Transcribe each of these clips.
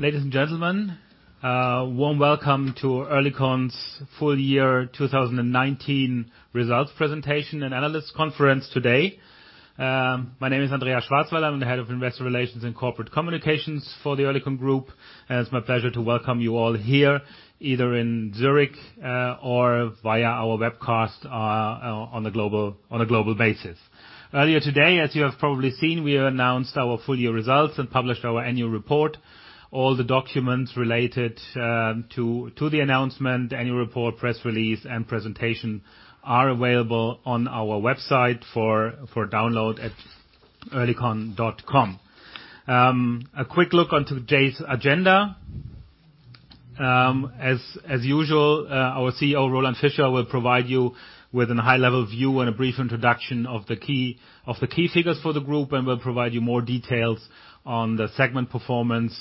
Ladies and gentlemen, warm welcome to Oerlikon's full year 2019 results presentation and analyst conference today. My name is Andreas Schwarzwälder. I'm the Head of Investor Relations and Corporate Communications for the Oerlikon Group. It's my pleasure to welcome you all here, either in Zurich or via our webcast on a global basis. Earlier today, as you have probably seen, we announced our full year results and published our annual report. All the documents related to the announcement, annual report, press release, and presentation are available on our website for download at oerlikon.com. A quick look on to today's agenda. As usual, our CEO, Roland Fischer, will provide you with a high-level view and a brief introduction of the key figures for the group and will provide you more details on the segment performance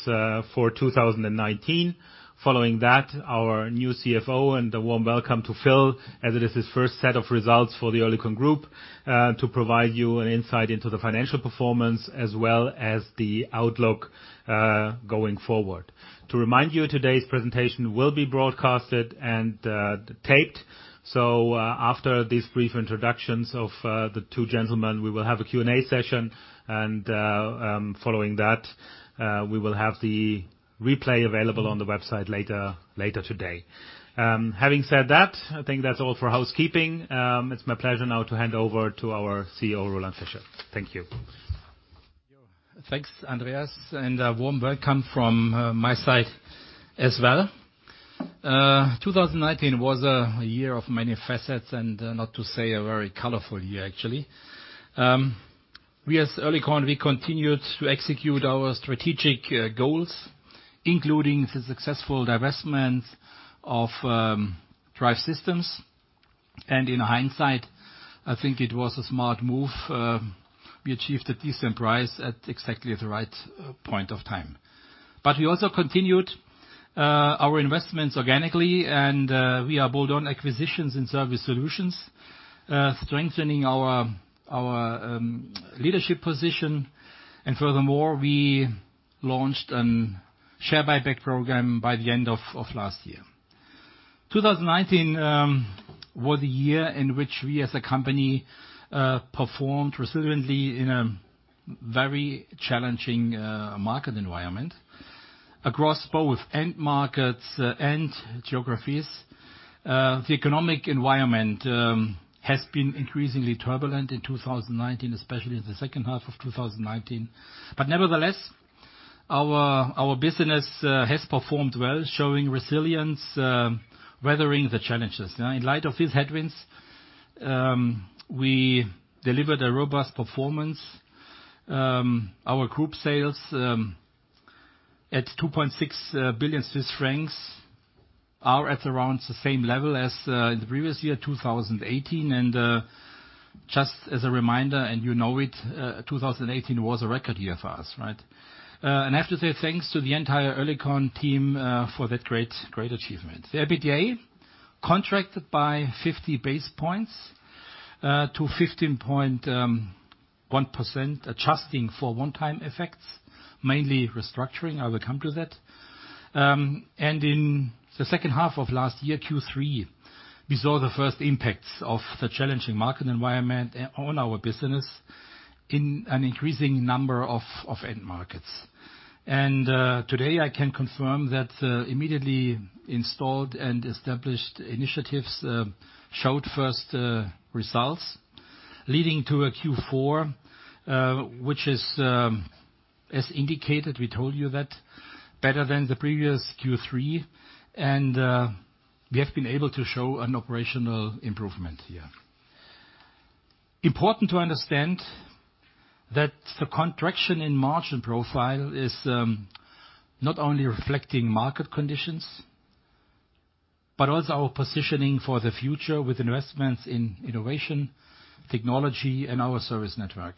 for 2019. Following that, our new CFO, and a warm welcome to Phil, as it is his first set of results for the Oerlikon Group, to provide you an insight into the financial performance as well as the outlook going forward. To remind you, today's presentation will be broadcasted and taped. After these brief introductions of the two gentlemen, we will have a Q&A session and following that we will have the replay available on the website later today. Having said that, I think that's all for housekeeping. It's my pleasure now to hand over to our CEO, Roland Fischer. Thank you. Thanks, Andreas, and a warm welcome from my side as well. 2019 was a year of many facets and not to say a very colorful year actually. We, as Oerlikon, we continued to execute our strategic goals, including the successful divestment of Drive Systems. In hindsight, I think it was a smart move. We achieved a decent price at exactly the right point of time. We also continued our investments organically, and we are bold on acquisitions and Surface Solutions, strengthening our leadership position. Furthermore, we launched share buyback program by the end of last year. 2019 was a year in which we as a company performed resiliently in a very challenging market environment across both end markets and geographies. The economic environment has been increasingly turbulent in 2019, especially in the second half of 2019. Nevertheless, our business has performed well, showing resilience, weathering the challenges. In light of these headwinds, we delivered a robust performance. Our group sales at 2.6 billion Swiss francs are at around the same level as in the previous year, 2018. Just as a reminder, and you know it, 2018 was a record year for us, right? I have to say, thanks to the entire Oerlikon team for that great achievement. The EBITDA contracted by 50 basis points to 15.1%, adjusting for one-time effects, mainly restructuring. I will come to that. In the second half of last year, Q3, we saw the first impacts of the challenging market environment on our business in an increasing number of end markets. Today I can confirm that immediately installed and established initiatives showed first results leading to a Q4, which is as indicated, we told you that, better than the previous Q3, and we have been able to show an operational improvement here. Important to understand that the contraction in margin profile is not only reflecting market conditions, but also our positioning for the future with investments in innovation, technology, and our service network.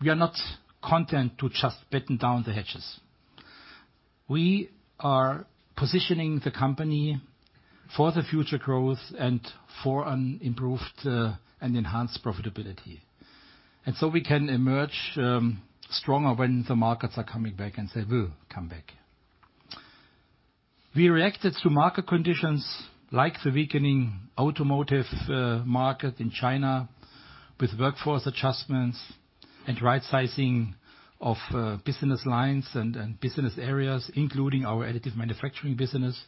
We are not content to just batten down the hatches. We are positioning the company for the future growth and for an improved and enhanced profitability, we can emerge stronger when the markets are coming back, and they will come back. We reacted to market conditions like the weakening automotive market in China with workforce adjustments and right sizing of business lines and business areas, including our additive manufacturing business,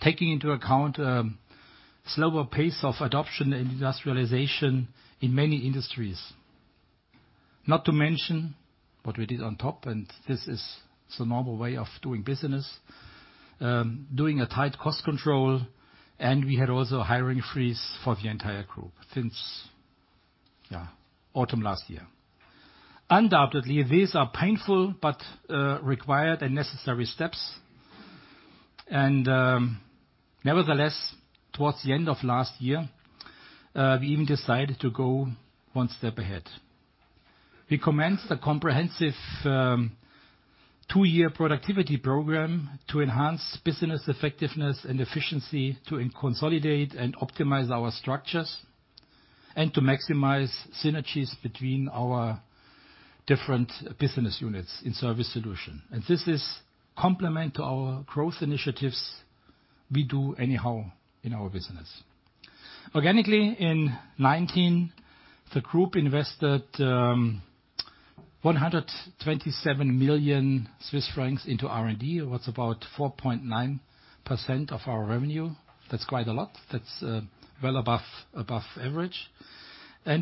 taking into account a slower pace of adoption and industrialization in many industries. Not to mention what we did on top, and this is the normal way of doing business, doing a tight cost control, and we had also a hiring freeze for the entire group since autumn last year. Undoubtedly, these are painful but required and necessary steps, and nevertheless, towards the end of last year, we even decided to go one step ahead. We commenced a comprehensive two-year Oerlikon Productivity Program to enhance business effectiveness and efficiency, to consolidate and optimize our structures, and to maximize synergies between our different business units in Surface Solutions. This is complement to our growth initiatives we do anyhow in our business. Organically, in 2019, the group invested 127 million Swiss francs into R&D. That's about 4.9% of our revenue. That's quite a lot. That's well above average.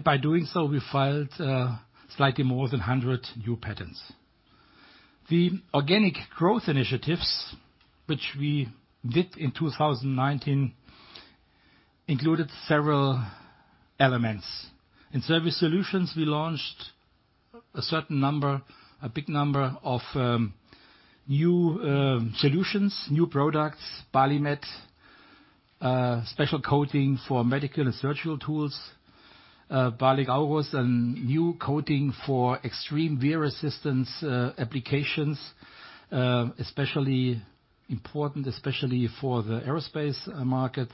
By doing so, we filed slightly more than 100 new patents. The organic growth initiatives, which we did in 2019, included several elements. In Surface Solutions, we launched a big number of new solutions, new products, BALIMED, special coating for medical and surgical tools, BALIQ CARBOS, a new coating for extreme wear resistance applications, especially important for the aerospace market.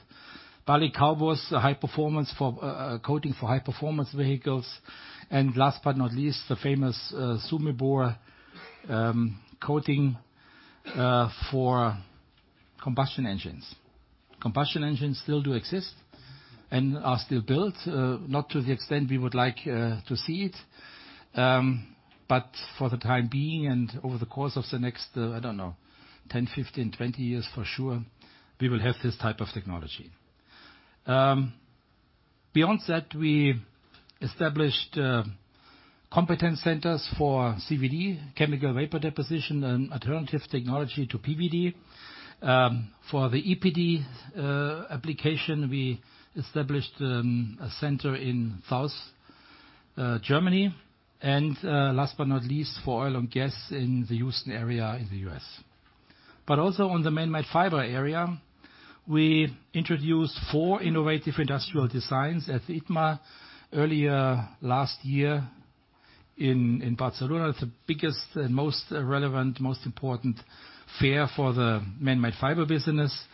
BALIQ CARBOS, coating for high performance vehicles. Last but not least, the famous SUMEBore coating for combustion engines. Combustion engines still do exist and are still built, not to the extent we would like to see it, but for the time being and over the course of the next, I don't know, 10, 15, 20 years for sure, we will have this type of technology. Beyond that, we established competence centers for CVD, chemical vapor deposition, an alternative technology to PVD. For the EPD application, we established a center in South Germany, last but not least, for oil and gas in the Houston area in the U.S. Also on the Manmade Fibers area, we introduced four innovative industrial designs at ITMA earlier last year in Barcelona. It's the biggest and most relevant, most important fair for the Manmade Fibers business,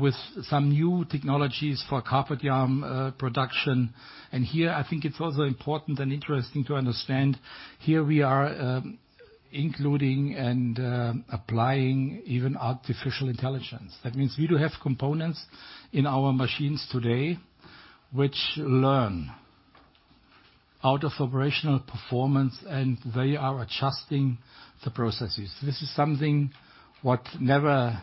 with some new technologies for carpet yarn production. Here, I think it's also important and interesting to understand, here we are including and applying even artificial intelligence. That means we do have components in our machines today which learn out of operational performance, and they are adjusting the processes. This is something what never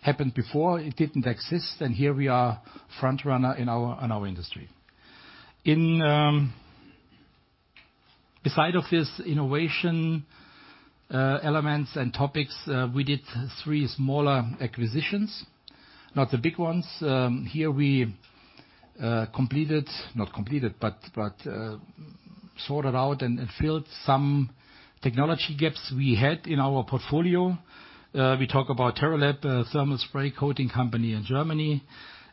happened before. It didn't exist, and here we are front runner in our industry. Beside of this innovation elements and topics, we did three smaller acquisitions, not the big ones. Here we completed, not completed, but sorted out and filled some technology gaps we had in our portfolio. We talk about Teralab, a thermal spray coating company in Germany,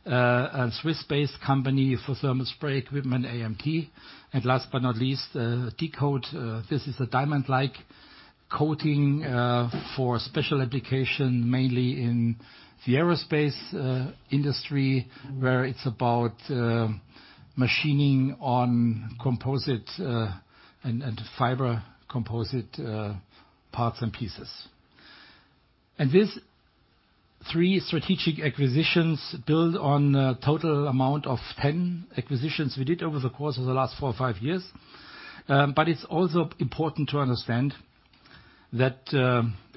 a Swiss-based company for thermal spray equipment, AMT, and last but not least, D-Coat. This is a diamond-like coating for special application, mainly in the aerospace industry, where it's about machining on composite and fiber composite parts and pieces. These three strategic acquisitions build on a total amount of 10 acquisitions we did over the course of the last four or five years. It's also important to understand that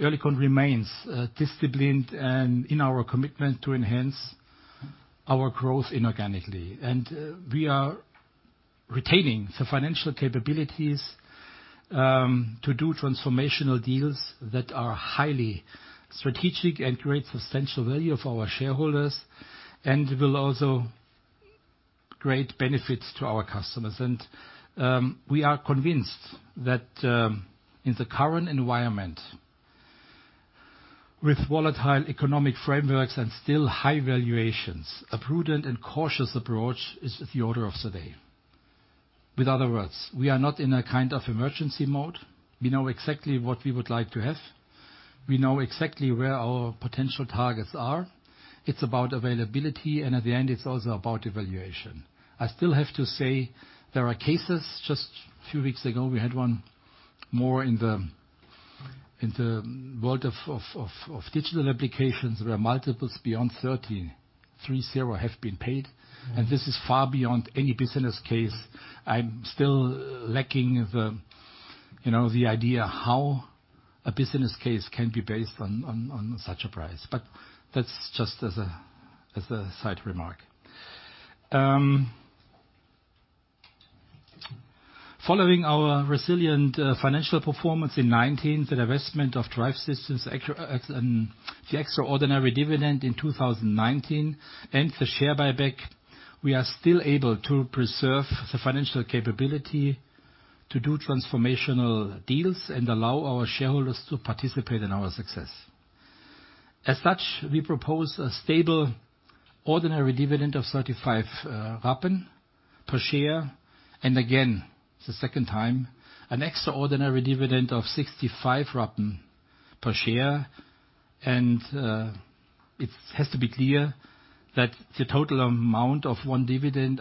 Oerlikon remains disciplined in our commitment to enhance our growth inorganically. We are retaining the financial capabilities to do transformational deals that are highly strategic and create substantial value for our shareholders and will also create benefits to our customers. We are convinced that in the current environment with volatile economic frameworks and still high valuations, a prudent and cautious approach is the order of the day. With other words, we are not in a kind of emergency mode. We know exactly what we would like to have. We know exactly where our potential targets are. It's about availability, and at the end, it's also about evaluation. I still have to say there are cases, just few weeks ago, we had one more in the world of digital applications, where multiples beyond 30 have been paid, and this is far beyond any business case. I'm still lacking the idea how a business case can be based on such a price. That's just as a side remark. Following our resilient financial performance in 2019, the divestment of Drive Systems and the extraordinary dividend in 2019 and the share buyback, we are still able to preserve the financial capability to do transformational deals and allow our shareholders to participate in our success. As such, we propose a stable ordinary dividend of 0.35 per share, and again, the second time, an extraordinary dividend of CHF 0.65 per share. It has to be clear that the total dividend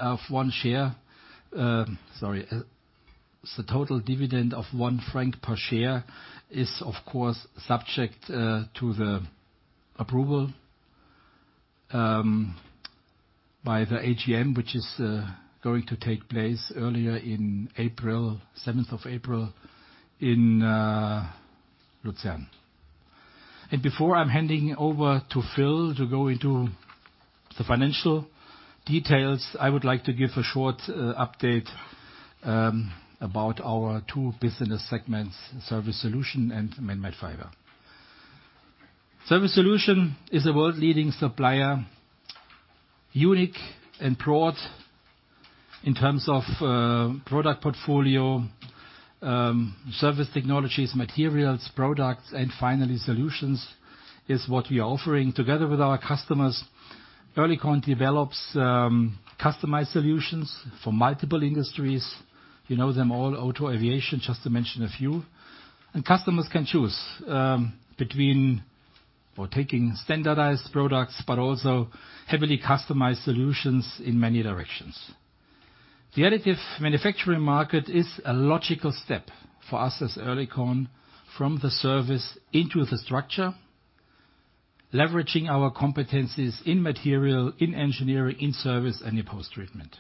of 1 franc per share is, of course, subject to the approval by the AGM, which is going to take place earlier in April, 7th of April, in Lucerne. Before I'm handing over to Phil to go into the financial details, I would like to give a short update about our two business segments, Surface Solutions and Manmade Fibers. Surface Solutions is a world-leading supplier, unique and broad in terms of product portfolio, service technologies, materials, products, and finally, solutions is what we are offering together with our customers. Oerlikon develops customized solutions for multiple industries. You know them all, auto, aviation, just to mention a few. Customers can choose between taking standardized products, but also heavily customized solutions in many directions. The additive manufacturing market is a logical step for us as Oerlikon from the service into the structure, leveraging our competencies in material, in engineering, in service, and in post-treatment.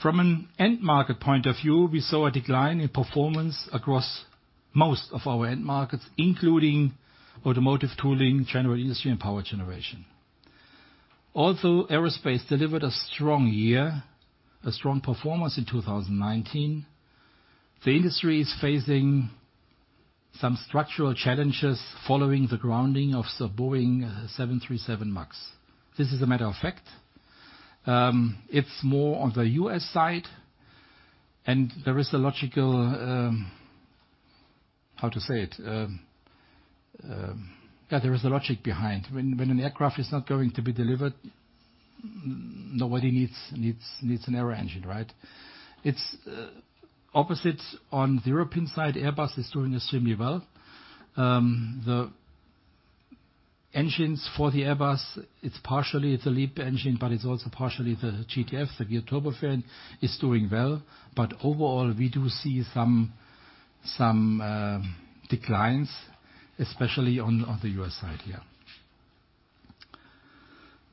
From an end market point of view, we saw a decline in performance across most of our end markets, including automotive tooling, general industry, and power generation. Although aerospace delivered a strong year, a strong performance in 2019, the industry is facing some structural challenges following the grounding of the Boeing 737 MAX. This is a matter of fact. It's more on the U.S. side, and there is a logic behind. When an aircraft is not going to be delivered, nobody needs an aeroengine. It's opposite on the European side. Airbus is doing extremely well. The engines for the Airbus, it's partially it's a LEAP engine, but it's also partially the GTF, the Geared Turbofan, is doing well. Overall, we do see some declines, especially on the U.S. side here.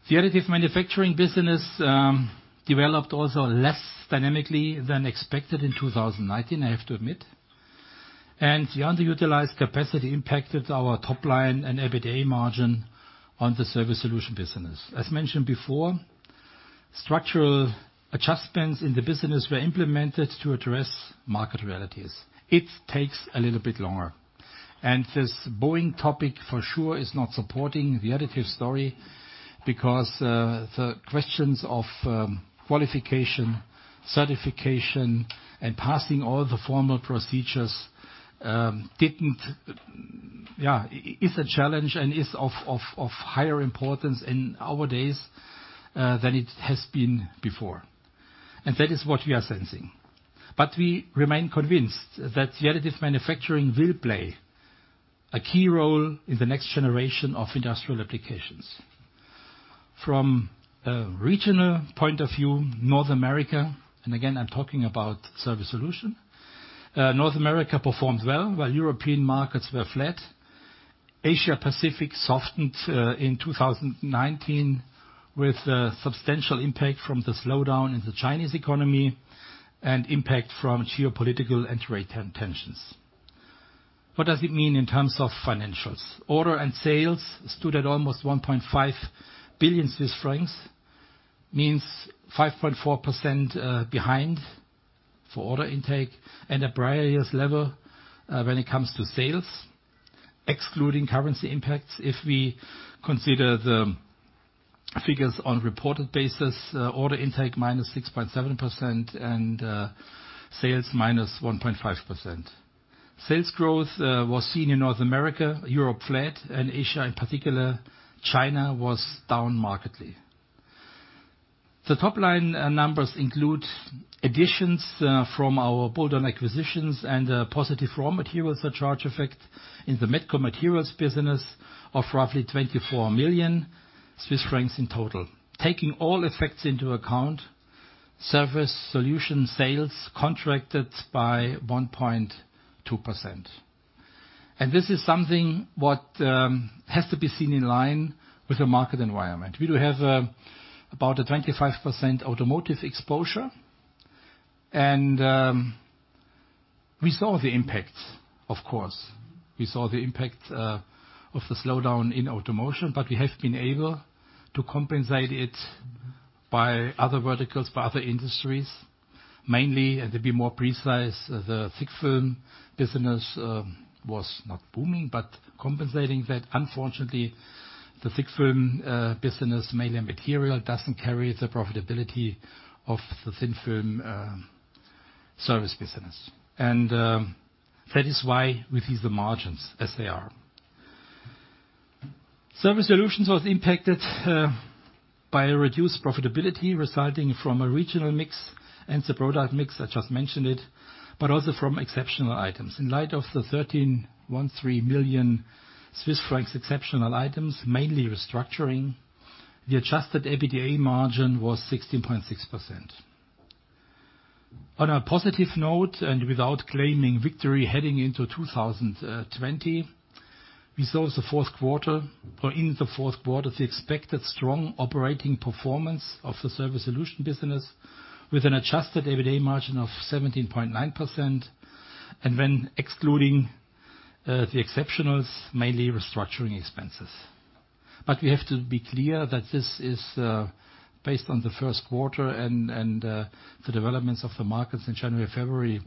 The additive manufacturing business developed also less dynamically than expected in 2019, I have to admit. The underutilized capacity impacted our top line and EBITDA margin on the Surface Solutions business. As mentioned before, structural adjustments in the business were implemented to address market realities. It takes a little bit longer. This Boeing topic for sure is not supporting the additive story because the questions of qualification, certification, and passing all the formal procedures is a challenge and is of higher importance in our days than it has been before. That is what we are sensing. We remain convinced that the additive manufacturing will play a key role in the next generation of industrial applications. From a regional point of view, North America, and again, I'm talking about Surface Solutions. North America performed well, while European markets were flat. Asia-Pacific softened in 2019 with a substantial impact from the slowdown in the Chinese economy and impact from geopolitical and trade tensions. What does it mean in terms of financials? Order and sales stood at almost 1.5 billion Swiss francs, means 5.4% behind for order intake and a prior year's level when it comes to sales, excluding currency impacts. If we consider the figures on a reported basis, order intake -6.7% and sales -1.5%. Sales growth was seen in North America, Europe flat, and Asia in particular, China was down markedly. The top-line numbers include additions from our bolt-on acquisitions and a positive raw materials surcharge effect in the Metco Materials business of roughly 24 million Swiss francs in total. Taking all effects into account, Surface Solutions sales contracted by 1.2%. This is something what has to be seen in line with the market environment. We do have about a 25% automotive exposure, and we saw the impact, of course. We saw the impact of the slowdown in automotive, but we have been able to compensate it by other verticals, by other industries, mainly, and to be more precise, the thick film business was not booming, but compensating that. Unfortunately, the thick film business, mainly in material, doesn't carry the profitability of the thin film service business. That is why we see the margins as they are. Surface Solutions was impacted by a reduced profitability resulting from a regional mix and the product mix, I just mentioned it, but also from exceptional items. In light of the 13.13 million Swiss francs exceptional items, mainly restructuring, the adjusted EBITDA margin was 16.6%. On a positive note, and without claiming victory heading into 2020, we saw in the fourth quarter the expected strong operating performance of the Surface Solutions business with an adjusted EBITDA margin of 17.9%, and when excluding the exceptionals, mainly restructuring expenses. We have to be clear that this is based on the first quarter and the developments of the markets in January, February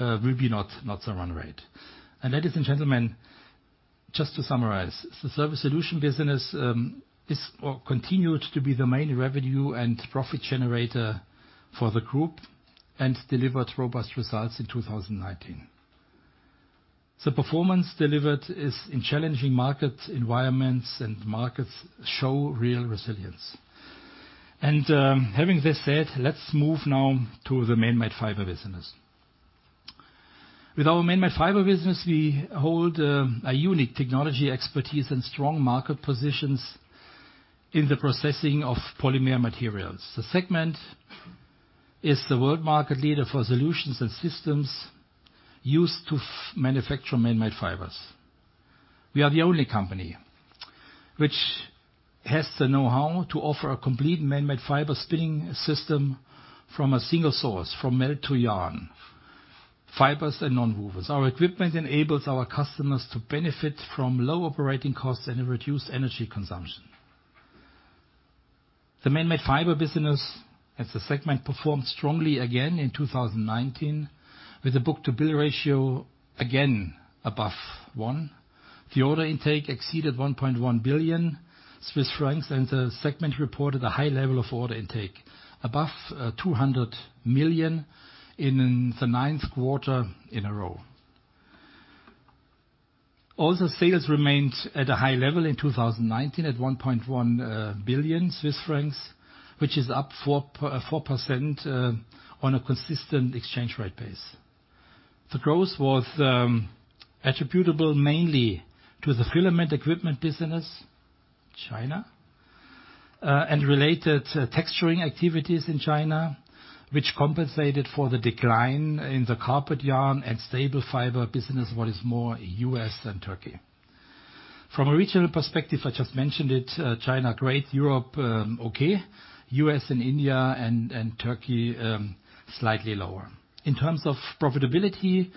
will be not the run rate. Ladies and gentlemen, just to summarize, the Surface Solutions business continued to be the main revenue and profit generator for the group and delivered robust results in 2019. The performance delivered is in challenging market environments and markets show real resilience. Having this said, let's move now to the Manmade Fibers business. With our Manmade Fibers business, we hold a unique technology expertise and strong market positions in the processing of polymer materials. The segment is the world market leader for solutions and systems used to manufacture manmade fibers. We are the only company which has the know-how to offer a complete manmade fiber spinning system from a single source, from melt to yarn, fibers and nonwovens. Our equipment enables our customers to benefit from low operating costs and a reduced energy consumption. The Manmade Fibers business as a segment performed strongly again in 2019 with a book-to-bill ratio again above one. The order intake exceeded 1.1 billion Swiss francs, and the segment reported a high level of order intake above 200 million in the ninth quarter in a row. Sales remained at a high level in 2019 at 1.1 billion Swiss francs, which is up 4% on a consistent exchange rate base. The growth was attributable mainly to the filament equipment business, China, and related texturing activities in China, which compensated for the decline in the carpet yarn and staple fiber business, what is more U.S. than Turkey. From a regional perspective, I just mentioned it, China, great. Europe, okay. U.S. and India and Turkey, slightly lower. In terms of profitability,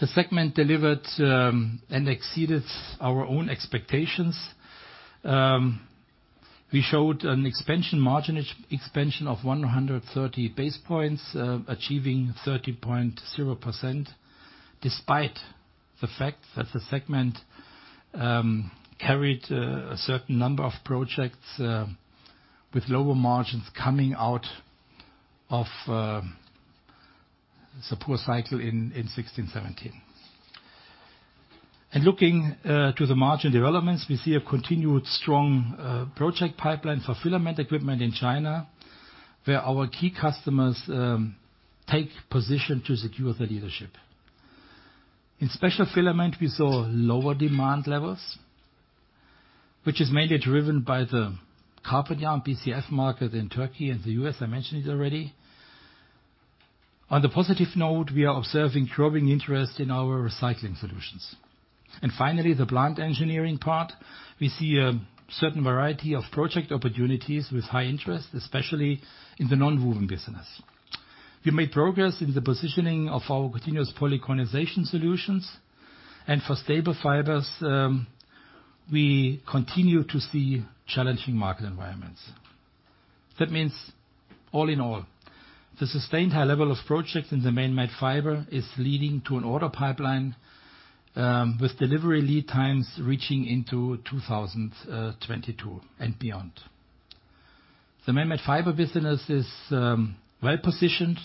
the segment delivered and exceeded our own expectations. We showed a margin expansion of 130 basis points, achieving 30.0%, despite the fact that the segment carried a certain number of projects with lower margins coming out of the poor cycle in 2016, 2017. Looking to the margin developments, we see a continued strong project pipeline for filament equipment in China, where our key customers take position to secure their leadership. In special filament, we saw lower demand levels, which is mainly driven by the carpet yarn BCF market in Turkey and the U.S., I mentioned it already. On the positive note, we are observing growing interest in our recycling solutions. Finally, the plant engineering part. We see a certain variety of project opportunities with high interest, especially in the nonwoven business. We made progress in the positioning of our continuous polycondensation solutions and for staple fibers, we continue to see challenging market environments. All in all, the sustained high level of projects in the Manmade Fibers is leading to an order pipeline with delivery lead times reaching into 2022 and beyond. The Manmade Fibers business is well positioned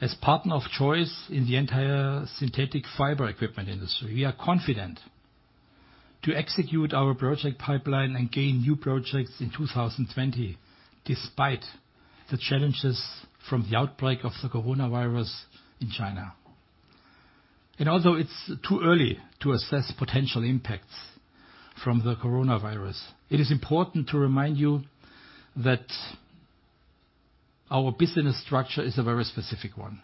as partner of choice in the entire synthetic fiber equipment industry. We are confident to execute our project pipeline and gain new projects in 2020 despite the challenges from the outbreak of the coronavirus in China. Although it's too early to assess potential impacts from the coronavirus, it is important to remind you that our business structure is a very specific one.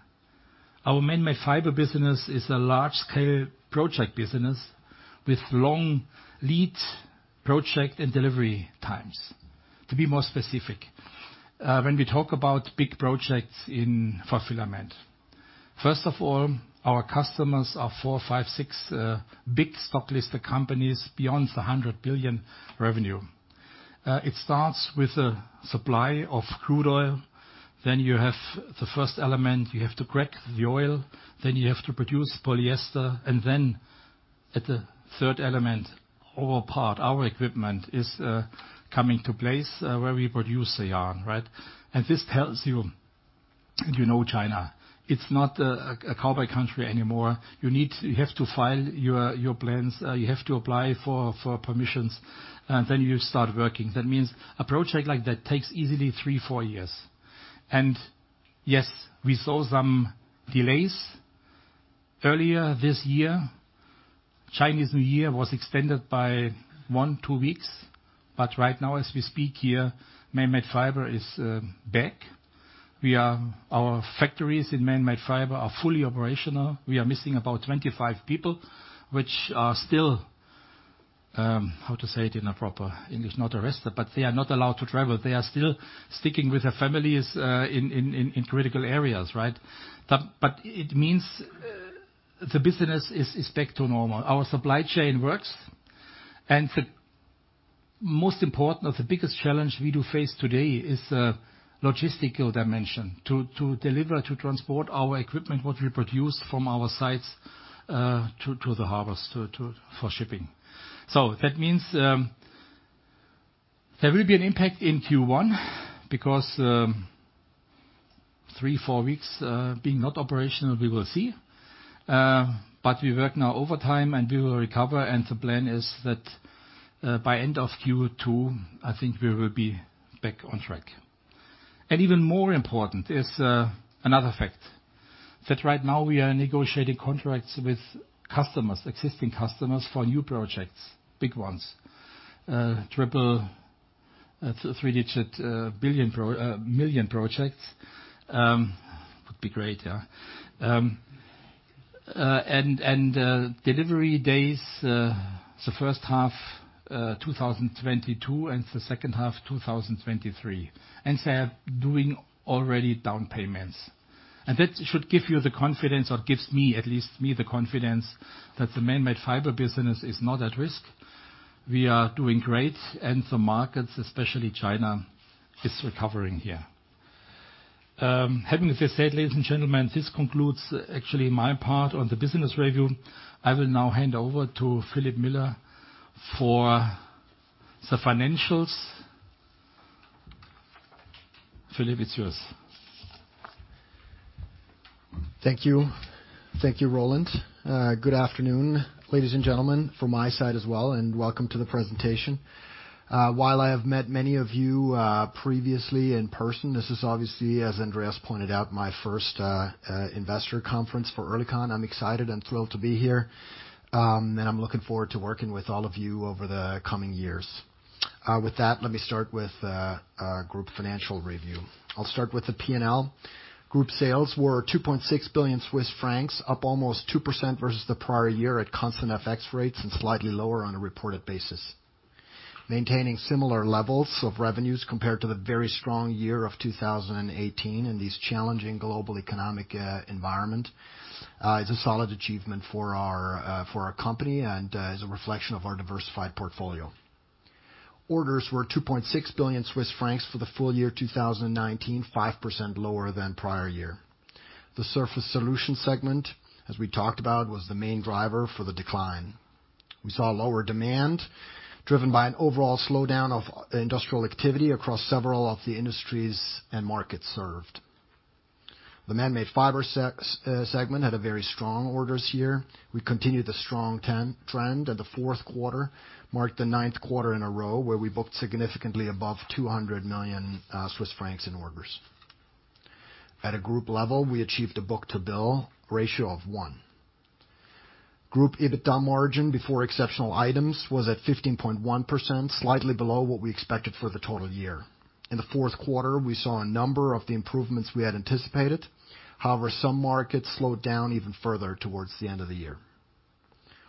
Our Manmade Fibers business is a large-scale project business with long lead project and delivery times. To be more specific, when we talk about big projects for filament, first of all, our customers are four, five, six big stock-listed companies beyond the 100 billion revenue. It starts with the supply of crude oil. You have the first element. You have to crack the oil, you have to produce polyester. At the third element, our part, our equipment is coming to place where we produce the yarn. This tells you know China, it's not a cowboy country anymore. You have to file your plans, you have to apply for permissions, then you start working. That means a project like that takes easily three, four years. Yes, we saw some delays earlier this year. Chinese New Year was extended by one, two weeks. Right now as we speak here, Manmade Fibers is back. Our factories in Manmade Fibers are fully operational. We are missing about 25 people, which are still, how to say it in a proper English, not arrested, but they are not allowed to travel. They are still sticking with their families in critical areas. It means the business is back to normal. Our supply chain works. The most important, or the biggest challenge we do face today is logistical dimension. To deliver, to transport our equipment, what we produce from our sites, to the harbors for shipping. That means, there will be an impact in Q1 because three, four weeks being not operational, we will see. We work now overtime, and we will recover, and the plan is that by end of Q2, I think we will be back on track. Even more important is another fact. That right now we are negotiating contracts with customers, existing customers, for new projects, big ones. Three-digit billion million projects, would be great, yeah. Delivery days, the first half 2022 and the second half 2023, and they are doing already down payments. That should give you the confidence, or gives me, at least me, the confidence that the Manmade Fibers business is not at risk. We are doing great, and the markets, especially China, is recovering here. Having this said, ladies and gentlemen, this concludes actually my part on the business review. I will now hand over to Philipp Müller for the financials. Philipp, it's yours. Thank you. Thank you, Roland. Good afternoon, ladies and gentlemen, from my side as well, and welcome to the presentation. While I have met many of you previously in person, this is obviously, as Andreas pointed out, my first investor conference for Oerlikon. I'm excited and thrilled to be here, and I'm looking forward to working with all of you over the coming years. With that, let me start with our group financial review. I'll start with the P&L. Group sales were 2.6 billion Swiss francs, up almost 2% versus the prior year at constant FX rates and slightly lower on a reported basis. Maintaining similar levels of revenues compared to the very strong year of 2018 in this challenging global economic environment is a solid achievement for our company and is a reflection of our diversified portfolio. Orders were 2.6 billion Swiss francs for the full year 2019, 5% lower than prior year. The Surface Solutions segment, as we talked about, was the main driver for the decline. We saw lower demand driven by an overall slowdown of industrial activity across several of the industries and markets served. The Manmade Fibers segment had a very strong orders year. We continued the strong trend, and the fourth quarter marked the ninth quarter in a row where we booked significantly above 200 million Swiss francs in orders. At a group level, we achieved a book-to-bill ratio of 1. Group EBITDA margin before exceptional items was at 15.1%, slightly below what we expected for the total year. In the fourth quarter, we saw a number of the improvements we had anticipated. However, some markets slowed down even further towards the end of the year.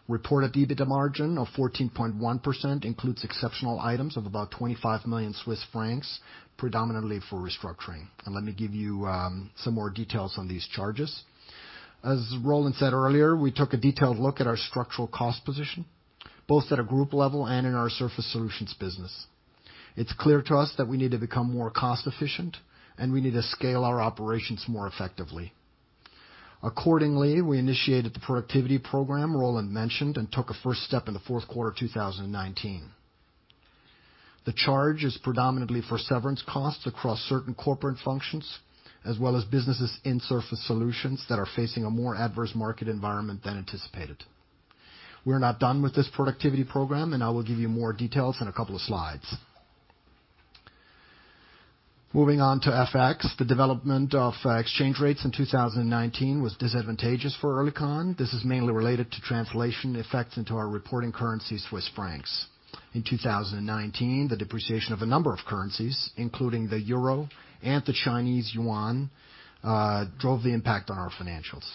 Reported EBITDA margin of 14.1% includes exceptional items of about 25 million Swiss francs, predominantly for restructuring. Let me give you some more details on these charges. As Roland said earlier, we took a detailed look at our structural cost position, both at a group level and in our Surface Solutions business. It's clear to us that we need to become more cost efficient and we need to scale our operations more effectively. Accordingly, we initiated the Productivity Program Roland mentioned and took a first step in the fourth quarter of 2019. The charge is predominantly for severance costs across certain corporate functions, as well as businesses in Surface Solutions that are facing a more adverse market environment than anticipated. We're not done with this Productivity Program, and I will give you more details in a couple of slides. Moving on to FX. The development of exchange rates in 2019 was disadvantageous for Oerlikon. This is mainly related to translation effects into our reporting currency, Swiss Francs. In 2019, the depreciation of a number of currencies, including the Euro and the Chinese Yuan, drove the impact on our financials.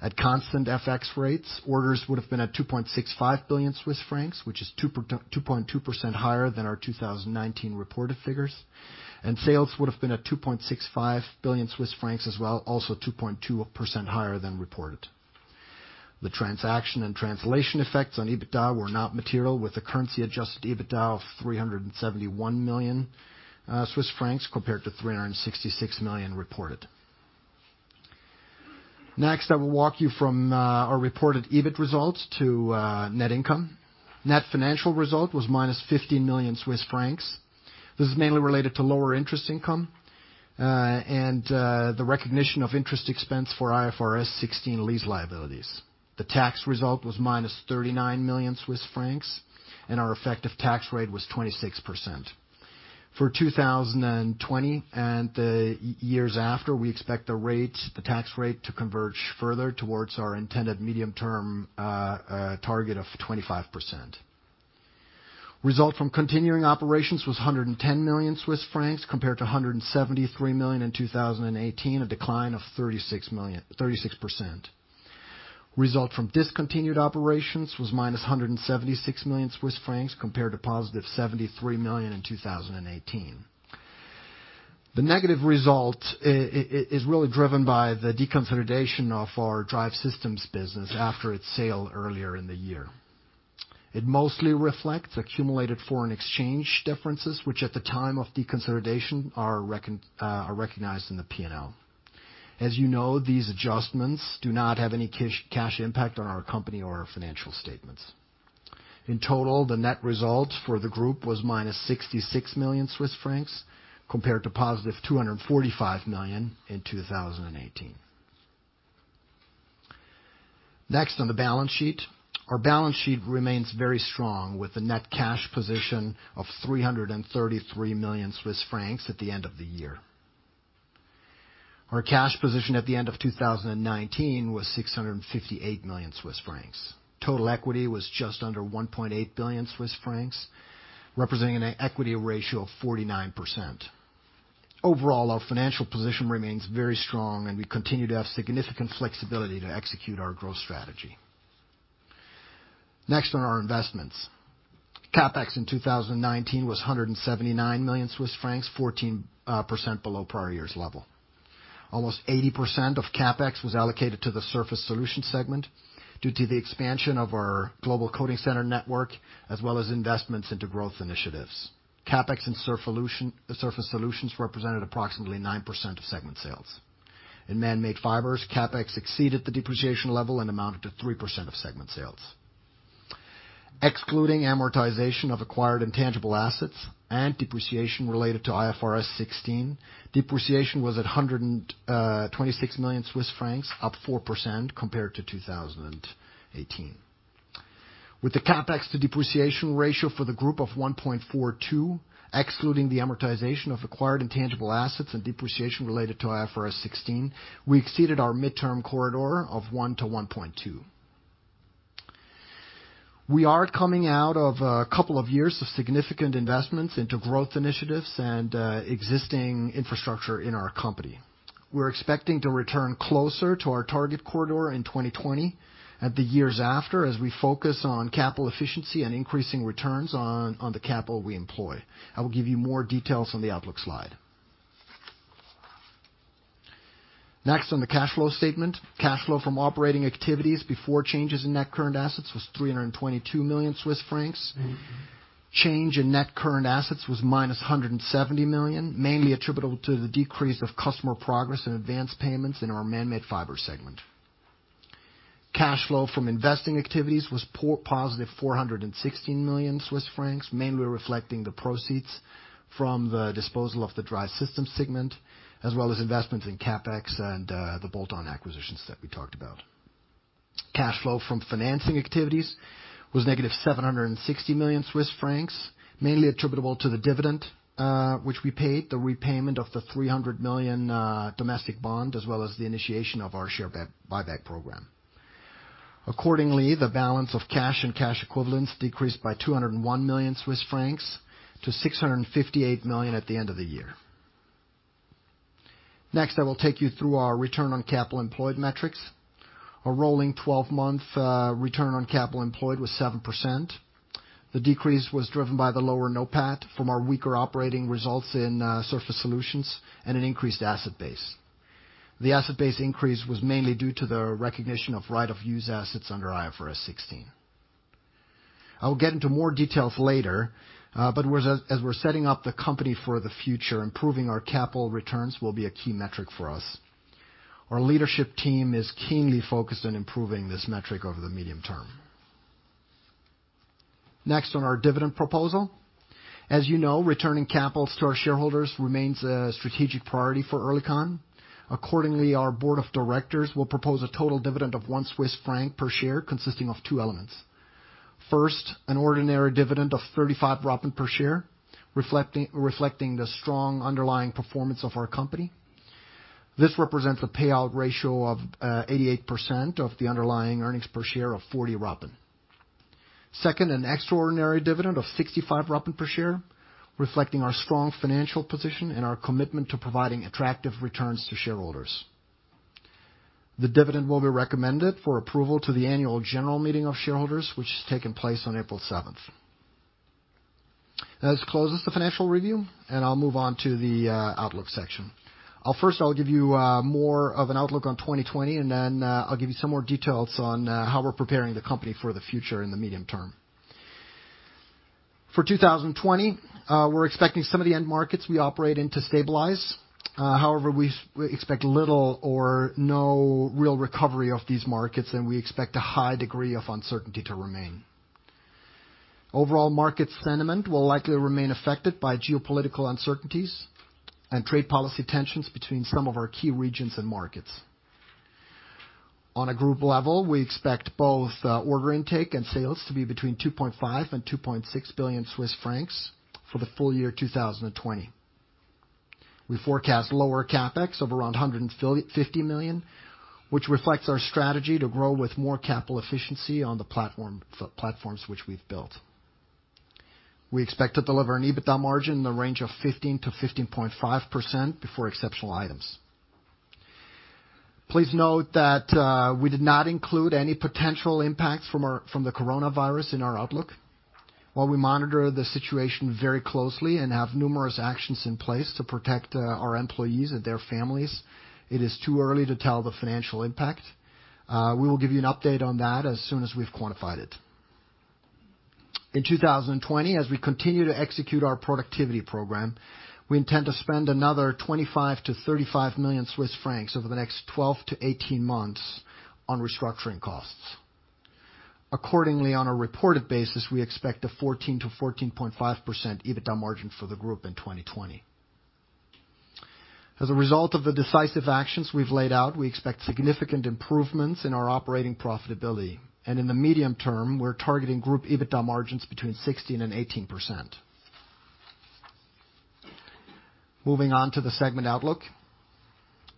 At constant FX rates, orders would have been at 2.65 billion Swiss francs, which is 2.2% higher than our 2019 reported figures, and sales would have been at 2.65 billion Swiss francs as well, also 2.2% higher than reported. The transaction and translation effects on EBITDA were not material, with a currency-adjusted EBITDA of 371 million Swiss francs compared to 366 million reported. Next, I will walk you from our reported EBIT results to net income. Net financial result was -15 million Swiss francs. This is mainly related to lower interest income, and the recognition of interest expense for IFRS 16 lease liabilities. The tax result was -39 million Swiss francs, and our effective tax rate was 26%. For 2020 and the years after, we expect the tax rate to converge further towards our intended medium-term target of 25%. Result from continuing operations was 110 million Swiss francs compared to 173 million in 2018, a decline of 36%. Result from discontinued operations was -176 million Swiss francs compared to positive 73 million in 2018. The negative result is really driven by the deconsolidation of our Drive Systems business after its sale earlier in the year. It mostly reflects accumulated foreign exchange differences, which at the time of deconsolidation are recognized in the P&L. As you know, these adjustments do not have any cash impact on our company or our financial statements. In total, the net result for the group was -66 million Swiss francs compared to +245 million in 2018. Next, on the balance sheet. Our balance sheet remains very strong with a net cash position of 333 million Swiss francs at the end of the year. Our cash position at the end of 2019 was 658 million Swiss francs. Total equity was just under 1.8 billion Swiss francs, representing an equity ratio of 49%. Overall, our financial position remains very strong, and we continue to have significant flexibility to execute our growth strategy. Next on our investments. CapEx in 2019 was 179 million Swiss francs, 14% below prior year's level. Almost 80% of CapEx was allocated to the Surface Solutions segment due to the expansion of our global coating center network, as well as investments into growth initiatives. CapEx in Surface Solutions represented approximately 9% of segment sales. In Manmade Fibers, CapEx exceeded the depreciation level and amounted to 3% of segment sales. Excluding amortization of acquired intangible assets and depreciation related to IFRS 16, depreciation was at 126 million Swiss francs, up 4% compared to 2018. With the CapEx to depreciation ratio for the group of 1.42, excluding the amortization of acquired intangible assets and depreciation related to IFRS 16, we exceeded our midterm corridor of 1:1.2. We are coming out of a couple of years of significant investments into growth initiatives and existing infrastructure in our company. We're expecting to return closer to our target corridor in 2020 and the years after, as we focus on capital efficiency and increasing returns on the capital we employ. I will give you more details on the outlook slide. Next on the cash flow statement. Cash flow from operating activities before changes in net current assets was 322 million Swiss francs. Change in net current assets was -170 million, mainly attributable to the decrease of customer progress and advanced payments in our Manmade Fibers segment. Cash flow from investing activities was +416 million Swiss francs, mainly reflecting the proceeds from the disposal of the Drive Systems segment, as well as investments in CapEx and the bolt-on acquisitions that we talked about. Cash flow from financing activities was -760 million Swiss francs, mainly attributable to the dividend, which we paid, the repayment of the 300 million domestic bond, as well as the initiation of our share buyback program. The balance of cash and cash equivalents decreased by 201 million-658 million Swiss francs at the end of the year. I will take you through our return on capital employed metrics. A rolling 12-month return on capital employed was 7%. The decrease was driven by the lower NOPAT from our weaker operating results in Surface Solutions and an increased asset base. The asset base increase was mainly due to the recognition of right of use assets under IFRS 16. I will get into more details later, but as we're setting up the company for the future, improving our capital returns will be a key metric for us. Our leadership team is keenly focused on improving this metric over the medium term. Next on our dividend proposal. As you know, returning capital to our shareholders remains a strategic priority for Oerlikon. Accordingly, our board of directors will propose a total dividend of 1 Swiss franc per share, consisting of two elements. First, an ordinary dividend of 0.35 per share, reflecting the strong underlying performance of our company. This represents a payout ratio of 88% of the underlying earnings per share of 0.40. Second, an extraordinary dividend of 0.65 per share, reflecting our strong financial position and our commitment to providing attractive returns to shareholders. The dividend will be recommended for approval to the Annual General Meeting of shareholders, which has taken place on April 7th. That closes the financial review, and I'll move on to the outlook section. First, I'll give you more of an outlook on 2020, and then I'll give you some more details on how we're preparing the company for the future in the medium term. For 2020, we're expecting some of the end markets we operate in to stabilize. However, we expect little or no real recovery of these markets, and we expect a high degree of uncertainty to remain. Overall market sentiment will likely remain affected by geopolitical uncertainties and trade policy tensions between some of our key regions and markets. On a group level, we expect both order intake and sales to be between 2.5 billion and 2.6 billion Swiss francs for the full year 2020. We forecast lower CapEx of around 150 million, which reflects our strategy to grow with more capital efficiency on the platforms which we've built. We expect to deliver an EBITDA margin in the range of 15%-15.5% before exceptional items. Please note that we did not include any potential impacts from the coronavirus in our outlook. While we monitor the situation very closely and have numerous actions in place to protect our employees and their families, it is too early to tell the financial impact. We will give you an update on that as soon as we've quantified it. In 2020, as we continue to execute our Productivity Program, we intend to spend another 25 million-35 million Swiss francs over the next 12-18 months on restructuring costs. Accordingly, on a reported basis, we expect a 14%-14.5% EBITDA margin for the group in 2020. As a result of the decisive actions we've laid out, we expect significant improvements in our operating profitability, and in the medium term, we're targeting group EBITDA margins between 16%-18%. Moving on to the segment outlook.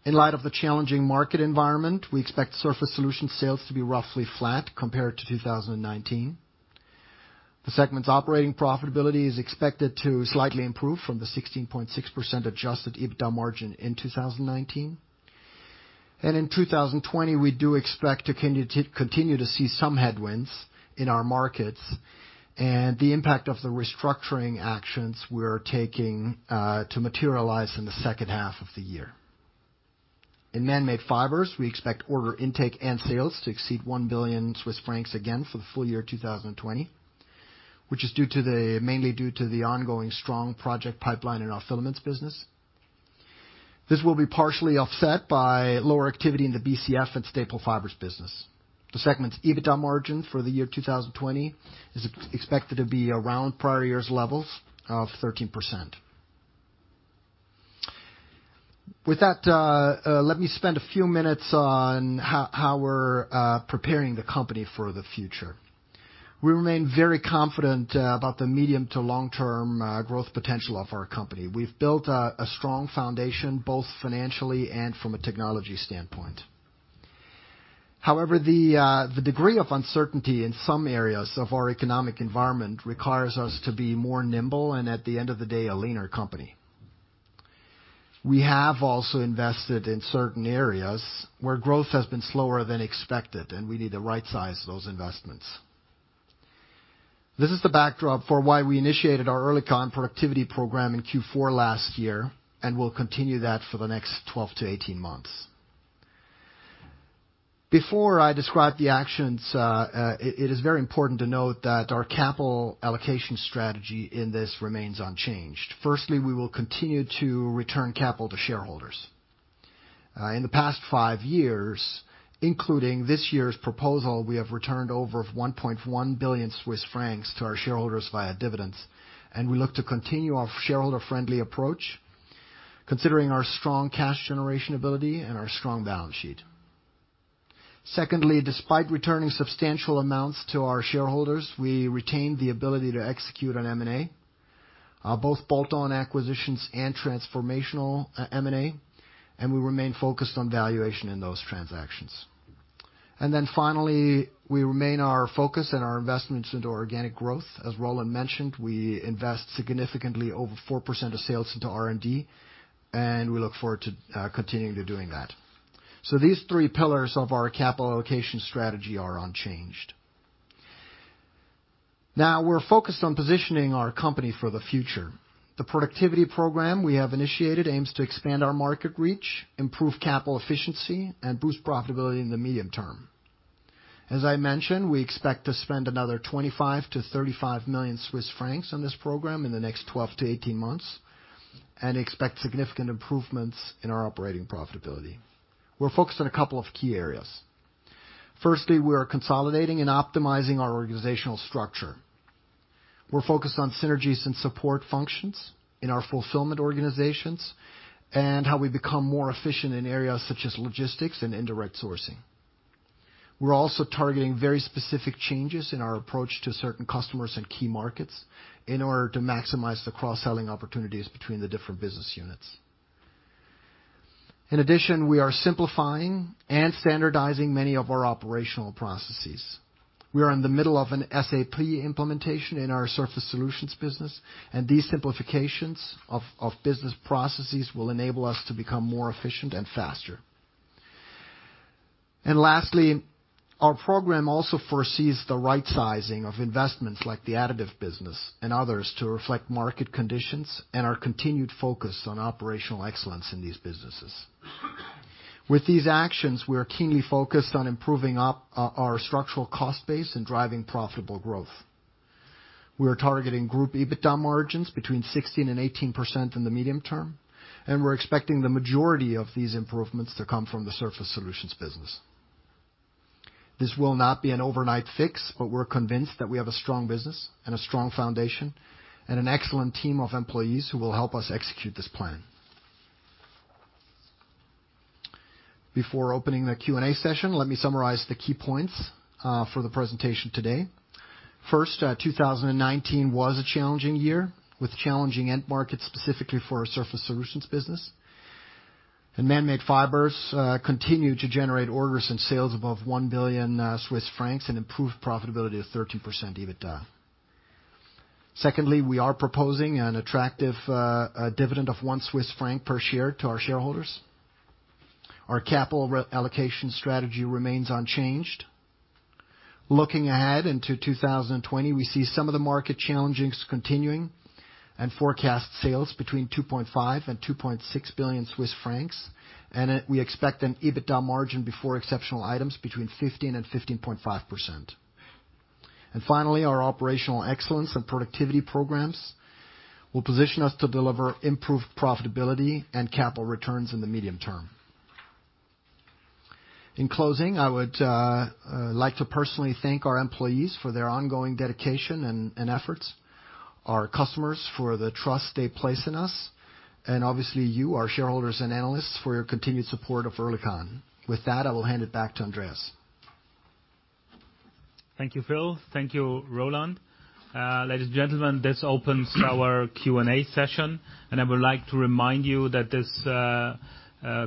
In light of the challenging market environment, we expect Surface Solutions sales to be roughly flat compared to 2019. The segment's operating profitability is expected to slightly improve from the 16.6% adjusted EBITDA margin in 2019. In 2020, we do expect to continue to see some headwinds in our markets and the impact of the restructuring actions we are taking to materialize in the second half of the year. In Manmade Fibers, we expect order intake and sales to exceed 1 billion Swiss francs again for the full year 2020, which is mainly due to the ongoing strong project pipeline in our filaments business. This will be partially offset by lower activity in the BCF and staple fibers business. The segment's EBITDA margin for the year 2020 is expected to be around prior year's levels of 13%. With that, let me spend a few minutes on how we're preparing the company for the future. We remain very confident about the medium to long-term growth potential of our company. We've built a strong foundation, both financially and from a technology standpoint. However, the degree of uncertainty in some areas of our economic environment requires us to be more nimble, and at the end of the day, a leaner company. We have also invested in certain areas where growth has been slower than expected, and we need to rightsize those investments. This is the backdrop for why we initiated our Oerlikon Productivity Program in Q4 last year, and we'll continue that for the next 12-18 months. Before I describe the actions, it is very important to note that our capital allocation strategy in this remains unchanged. Firstly, we will continue to return capital to shareholders. In the past five years, including this year's proposal, we have returned over 1.1 billion Swiss francs to our shareholders via dividends, and we look to continue our shareholder-friendly approach, considering our strong cash generation ability and our strong balance sheet. Secondly, despite returning substantial amounts to our shareholders, we retain the ability to execute on M&A, both bolt-on acquisitions and transformational M&A, we remain focused on valuation in those transactions. Then finally, we remain our focus and our investments into organic growth. As Roland mentioned, we invest significantly over 4% of sales into R&D, and we look forward to continuing to doing that. These three pillars of our capital allocation strategy are unchanged. Now, we're focused on positioning our company for the future. The Productivity Program we have initiated aims to expand our market reach, improve capital efficiency, and boost profitability in the medium term. As I mentioned, we expect to spend another 25 million-35 million Swiss francs on this program in the next 12-18 months and expect significant improvements in our operating profitability. We're focused on a couple of key areas. Firstly, we are consolidating and optimizing our organizational structure. We're focused on synergies and support functions in our fulfillment organizations and how we become more efficient in areas such as logistics and indirect sourcing. We're also targeting very specific changes in our approach to certain customers and key markets in order to maximize the cross-selling opportunities between the different business units. In addition, we are simplifying and standardizing many of our operational processes. We are in the middle of an SAP implementation in our Surface Solutions business. These simplifications of business processes will enable us to become more efficient and faster. Lastly, our program also foresees the rightsizing of investments like the additive business and others to reflect market conditions and our continued focus on operational excellence in these businesses. With these actions, we are keenly focused on improving our structural cost base and driving profitable growth. We are targeting group EBITDA margins between 16% and 18% in the medium term. We're expecting the majority of these improvements to come from the Surface Solutions business. This will not be an overnight fix. We're convinced that we have a strong business and a strong foundation and an excellent team of employees who will help us execute this plan. Before opening the Q&A session, let me summarize the key points for the presentation today. First, 2019 was a challenging year, with challenging end markets specifically for our Surface Solutions business. Manmade Fibers continue to generate orders and sales above 1 billion Swiss francs and improve profitability of 13% EBITDA. Secondly, we are proposing an attractive dividend of one CHF per share to our shareholders. Our capital allocation strategy remains unchanged. Looking ahead into 2020, we see some of the market challenges continuing and forecast sales between 2.5 billion and 2.6 billion Swiss francs, and we expect an EBITDA margin before exceptional items between 15% and 15.5%. Finally, our operational excellence and productivity programs will position us to deliver improved profitability and capital returns in the medium term. In closing, I would like to personally thank our employees for their ongoing dedication and efforts, our customers for the trust they place in us, and obviously you, our shareholders and analysts, for your continued support of Oerlikon. With that, I will hand it back to Andreas. Thank you, Phil. Thank you, Roland. Ladies and gentlemen, this opens our Q&A session. I would like to remind you that this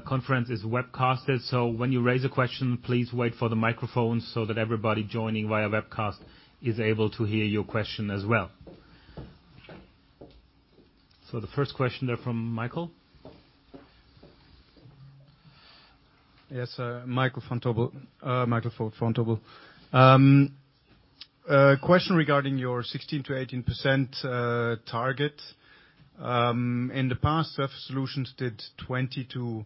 conference is webcasted. When you raise a question, please wait for the microphone so that everybody joining via webcast is able to hear your question as well. The first question there from Michael. Yes, Michael von Tobel. A question regarding your 16%-18% target. In the past, Surface Solutions did 20%-22%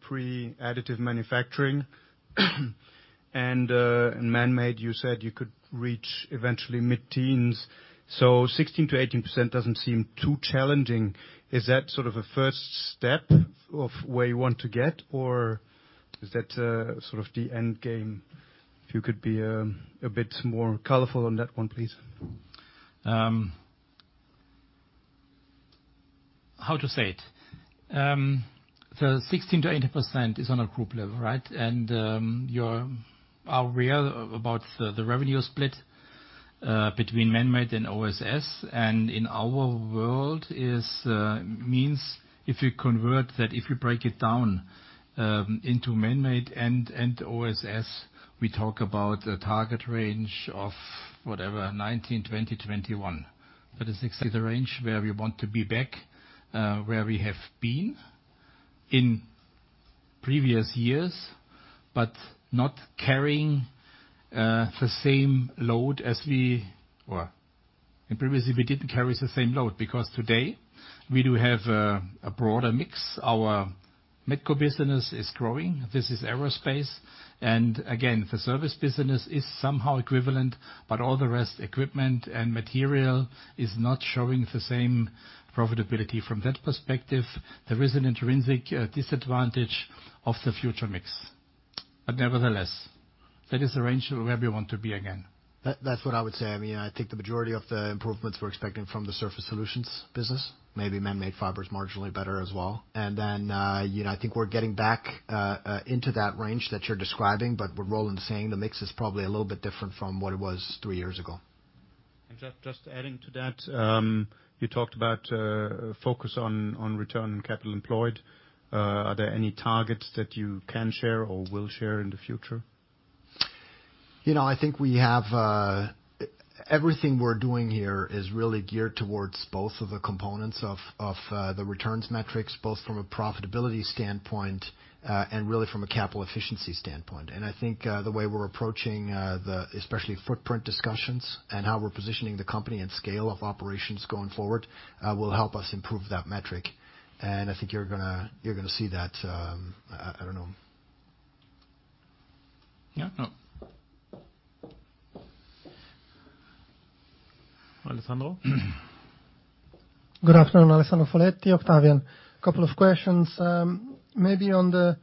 pre-additive manufacturing. Manmade, you said you could reach eventually mid-teens. 16%-18% doesn't seem too challenging. Is that sort of a first step of where you want to get, or is that sort of the end game? If you could be a bit more colorful on that one, please. How to say it? The 16%-18% is on a group level, right? You are aware about the revenue split between Manmade and OSS. In our world, it means if you convert that, if you break it down into Manmade and OSS, we talk about a target range of, whatever, 19%, 20%, 21%. That is exactly the range where we want to be back, where we have been in previous years, but not carrying the same load. Well, in previous, we didn't carry the same load because today we do have a broader mix. Our Metco business is growing. This is aerospace. Again, the service business is somehow equivalent, but all the rest, equipment and material, is not showing the same profitability. From that perspective, there is an intrinsic disadvantage of the future mix. Nevertheless, that is the range where we want to be again. That's what I would say. I think the majority of the improvements we're expecting from the Surface Solutions business, maybe Manmade Fibers marginally better as well. Then, I think we're getting back into that range that you're describing. What Roland's saying, the mix is probably a little bit different from what it was three years ago. Just adding to that, you talked about focus on return on capital employed. Are there any targets that you can share or will share in the future? I think everything we're doing here is really geared towards both of the components of the returns metrics, both from a profitability standpoint and really from a capital efficiency standpoint. I think the way we're approaching especially footprint discussions and how we're positioning the company and scale of operations going forward will help us improve that metric. I think you're going to see that, I don't know. Yeah. Alessandro. Good afternoon, Alessandro Foletti, Octavian. A couple of questions. Maybe on the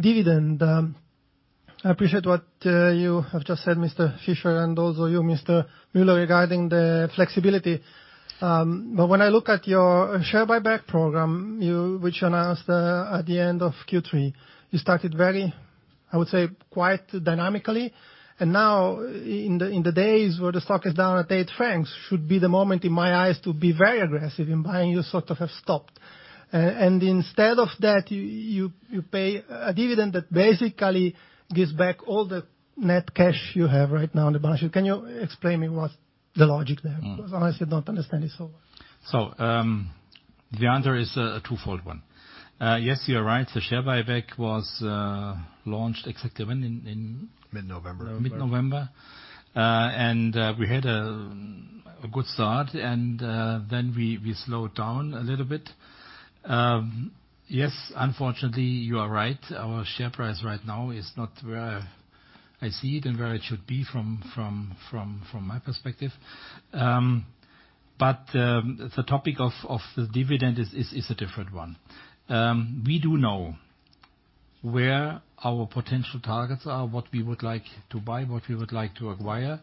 dividend. I appreciate what you have just said, Mr. Fischer, and also you, Mr. Müller, regarding the flexibility. When I look at your share buyback program, which you announced at the end of Q3, you started, I would say, quite dynamically, and now in the days where the stock is down at 8 francs should be the moment, in my eyes, to be very aggressive in buying. You sort of have stopped. Instead of that, you pay a dividend that basically gives back all the net cash you have right now on the balance sheet. Can you explain me what's the logic there? Honestly, I don't understand it so well. The answer is a twofold one. Yes, you're right. The share buyback was launched, exactly when? Mid-November. Mid-November. A good start, then we slowed down a little bit. Yes, unfortunately, you are right. Our share price right now is not where I see it and where it should be from my perspective. The topic of the dividend is a different one. We do know where our potential targets are, what we would like to buy, what we would like to acquire.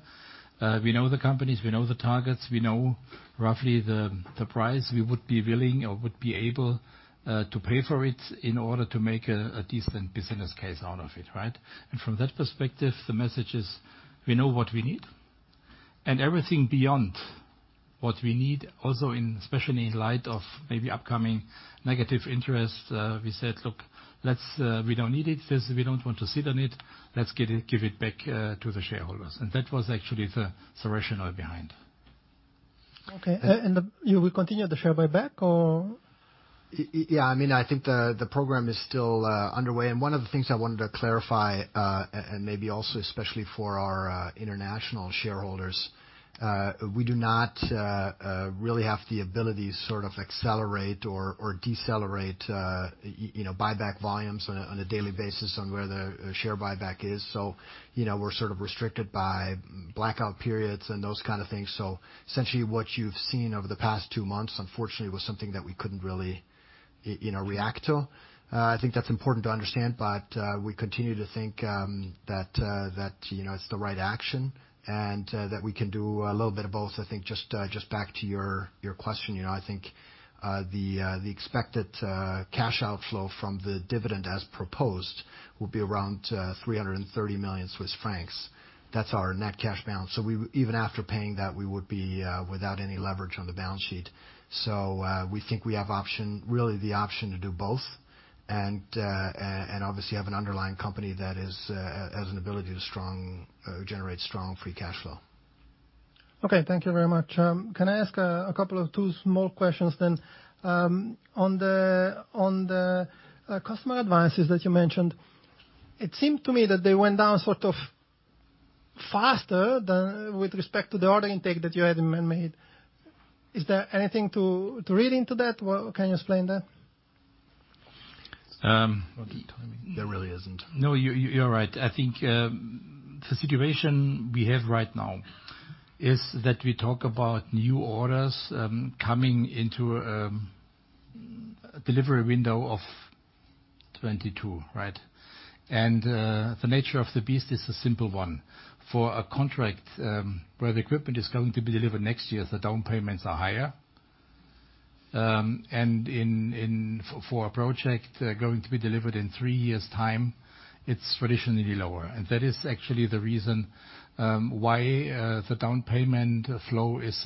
We know the companies, we know the targets, we know roughly the price we would be willing or would be able to pay for it in order to make a decent business case out of it. Right? From that perspective, the message is, we know what we need. Everything beyond what we need, also especially in light of maybe upcoming negative interest, we said, "Look, we don't need it. We don't want to sit on it. Let's give it back to the shareholders." That was actually the rationale behind. Okay. You will continue the share buyback or? I think the program is still underway. One of the things I wanted to clarify, and maybe also especially for our international shareholders, we do not really have the ability to accelerate or decelerate buyback volumes on a daily basis on where the share buyback is. We're restricted by blackout periods and those kind of things. Essentially, what you've seen over the past two months, unfortunately, was something that we couldn't really react to. I think that's important to understand. We continue to think that it's the right action, and that we can do a little bit of both. I think just back to your question, I think the expected cash outflow from the dividend as proposed will be around 330 million Swiss francs. That's our net cash balance. Even after paying that, we would be without any leverage on the balance sheet. We think we have really the option to do both and obviously have an underlying company that has an ability to generate strong free cash flow. Okay. Thank you very much. Can I ask a couple of two small questions, then? On the customer advances that you mentioned, it seemed to me that they went down sort of faster than with respect to the order intake that you had made. Is there anything to read into that? Can you explain that? On the timing. There really isn't. No, you're right. I think the situation we have right now is that we talk about new orders coming into a delivery window of 2022, right? The nature of the beast is a simple one. For a contract where the equipment is going to be delivered next year, the down payments are higher. For a project going to be delivered in three years' time, it's traditionally lower. That is actually the reason why the down payment flow is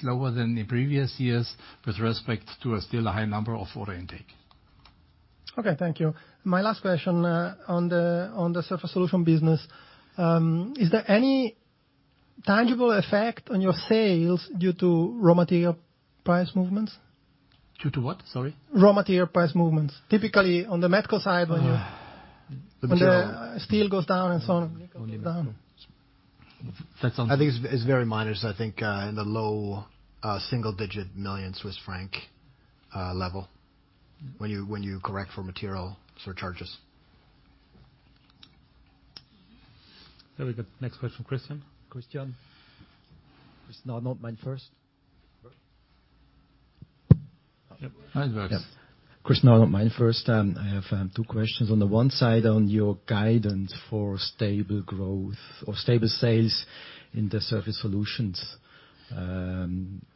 slower than the previous years with respect to a still high number of order intake. Okay, thank you. My last question on the Surface Solutions business. Is there any tangible effect on your sales due to raw material price movements? Due to what? Sorry. Raw material price movements. Typically, on the medical side when the steel goes down and so on. Okay. I think it's very minor. I think in the low single-digit million Swiss Franc level when you correct for material surcharges. Very good. Next question, Christian. Christian is not on mine first. Mine first. Christian, mine first. I have two questions. On the one side, on your guidance for stable growth or stable sales in the Surface Solutions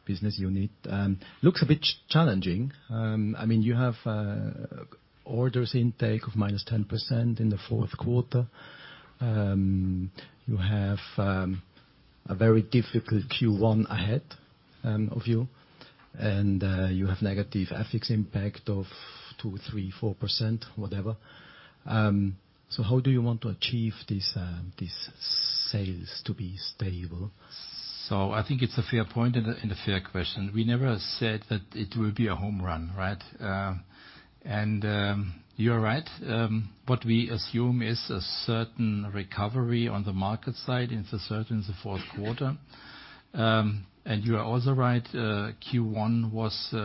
business unit. Looks a bit challenging. You have orders intake of -10% in the fourth quarter. You have a very difficult Q1 ahead of you, and you have negative FX impact of 2%, 3%, 4%, whatever. How do you want to achieve these sales to be stable? I think it's a fair point and a fair question. We never said that it will be a home run, right? You're right. What we assume is a certain recovery on the market side in the fourth quarter. You are also right, Q1 was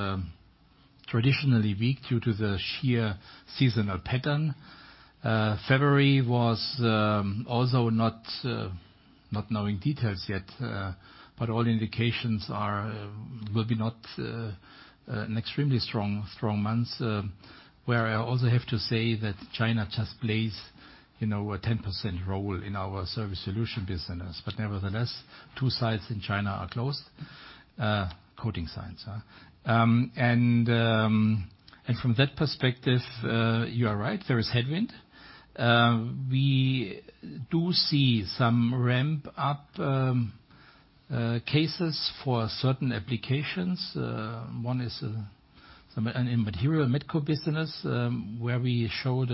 traditionally weak due to the sheer seasonal pattern. February was also, not knowing details yet, but all indications are will be not an extremely strong month. I also have to say that China just plays a 10% role in our Surface Solutions business. Nevertheless, two sites in China are closed, coating sites. From that perspective, you are right, there is headwind. We do see some ramp-up cases for certain applications. One is in material Metco business, where we showed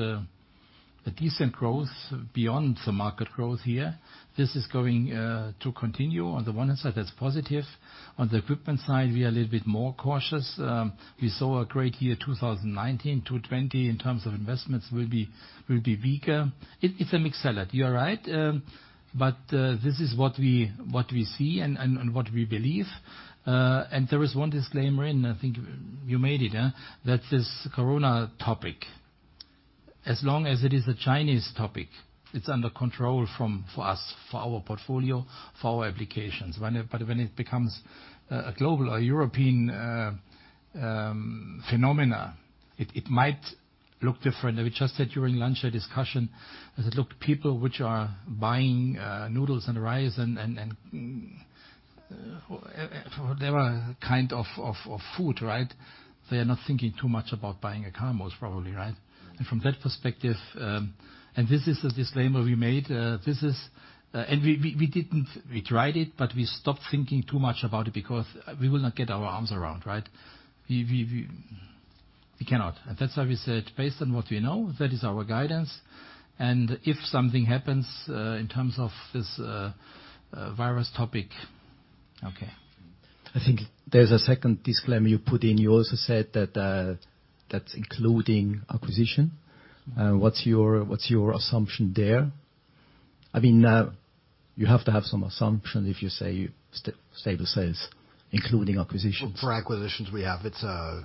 a decent growth beyond the market growth here. This is going to continue. On the one side, that's positive. On the equipment side, we are a little bit more cautious. We saw a great year 2019. 2020, in terms of investments, will be weaker. It's a mixed salad, you are right. This is what we see and what we believe. There is one disclaimer in, I think you made it, that this corona topic. As long as it is a Chinese topic, it's under control for us, for our portfolio, for our applications. When it becomes a global, a European phenomenon, it might look different. We just had, during lunch, a discussion as it looked people which are buying noodles and rice and whatever kind of food, they are not thinking too much about buying a Carmos, probably. Right? From that perspective, and this is a disclaimer we made. We tried it, but we stopped thinking too much about it because we will not get our arms around. We cannot. That's why we said, based on what we know, that is our guidance. If something happens, in terms of this virus topic. Okay. I think there's a second disclaimer you put in. You also said that's including acquisition. What's your assumption there? You have to have some assumption if you say stable sales, including acquisitions. For acquisitions we have, it's a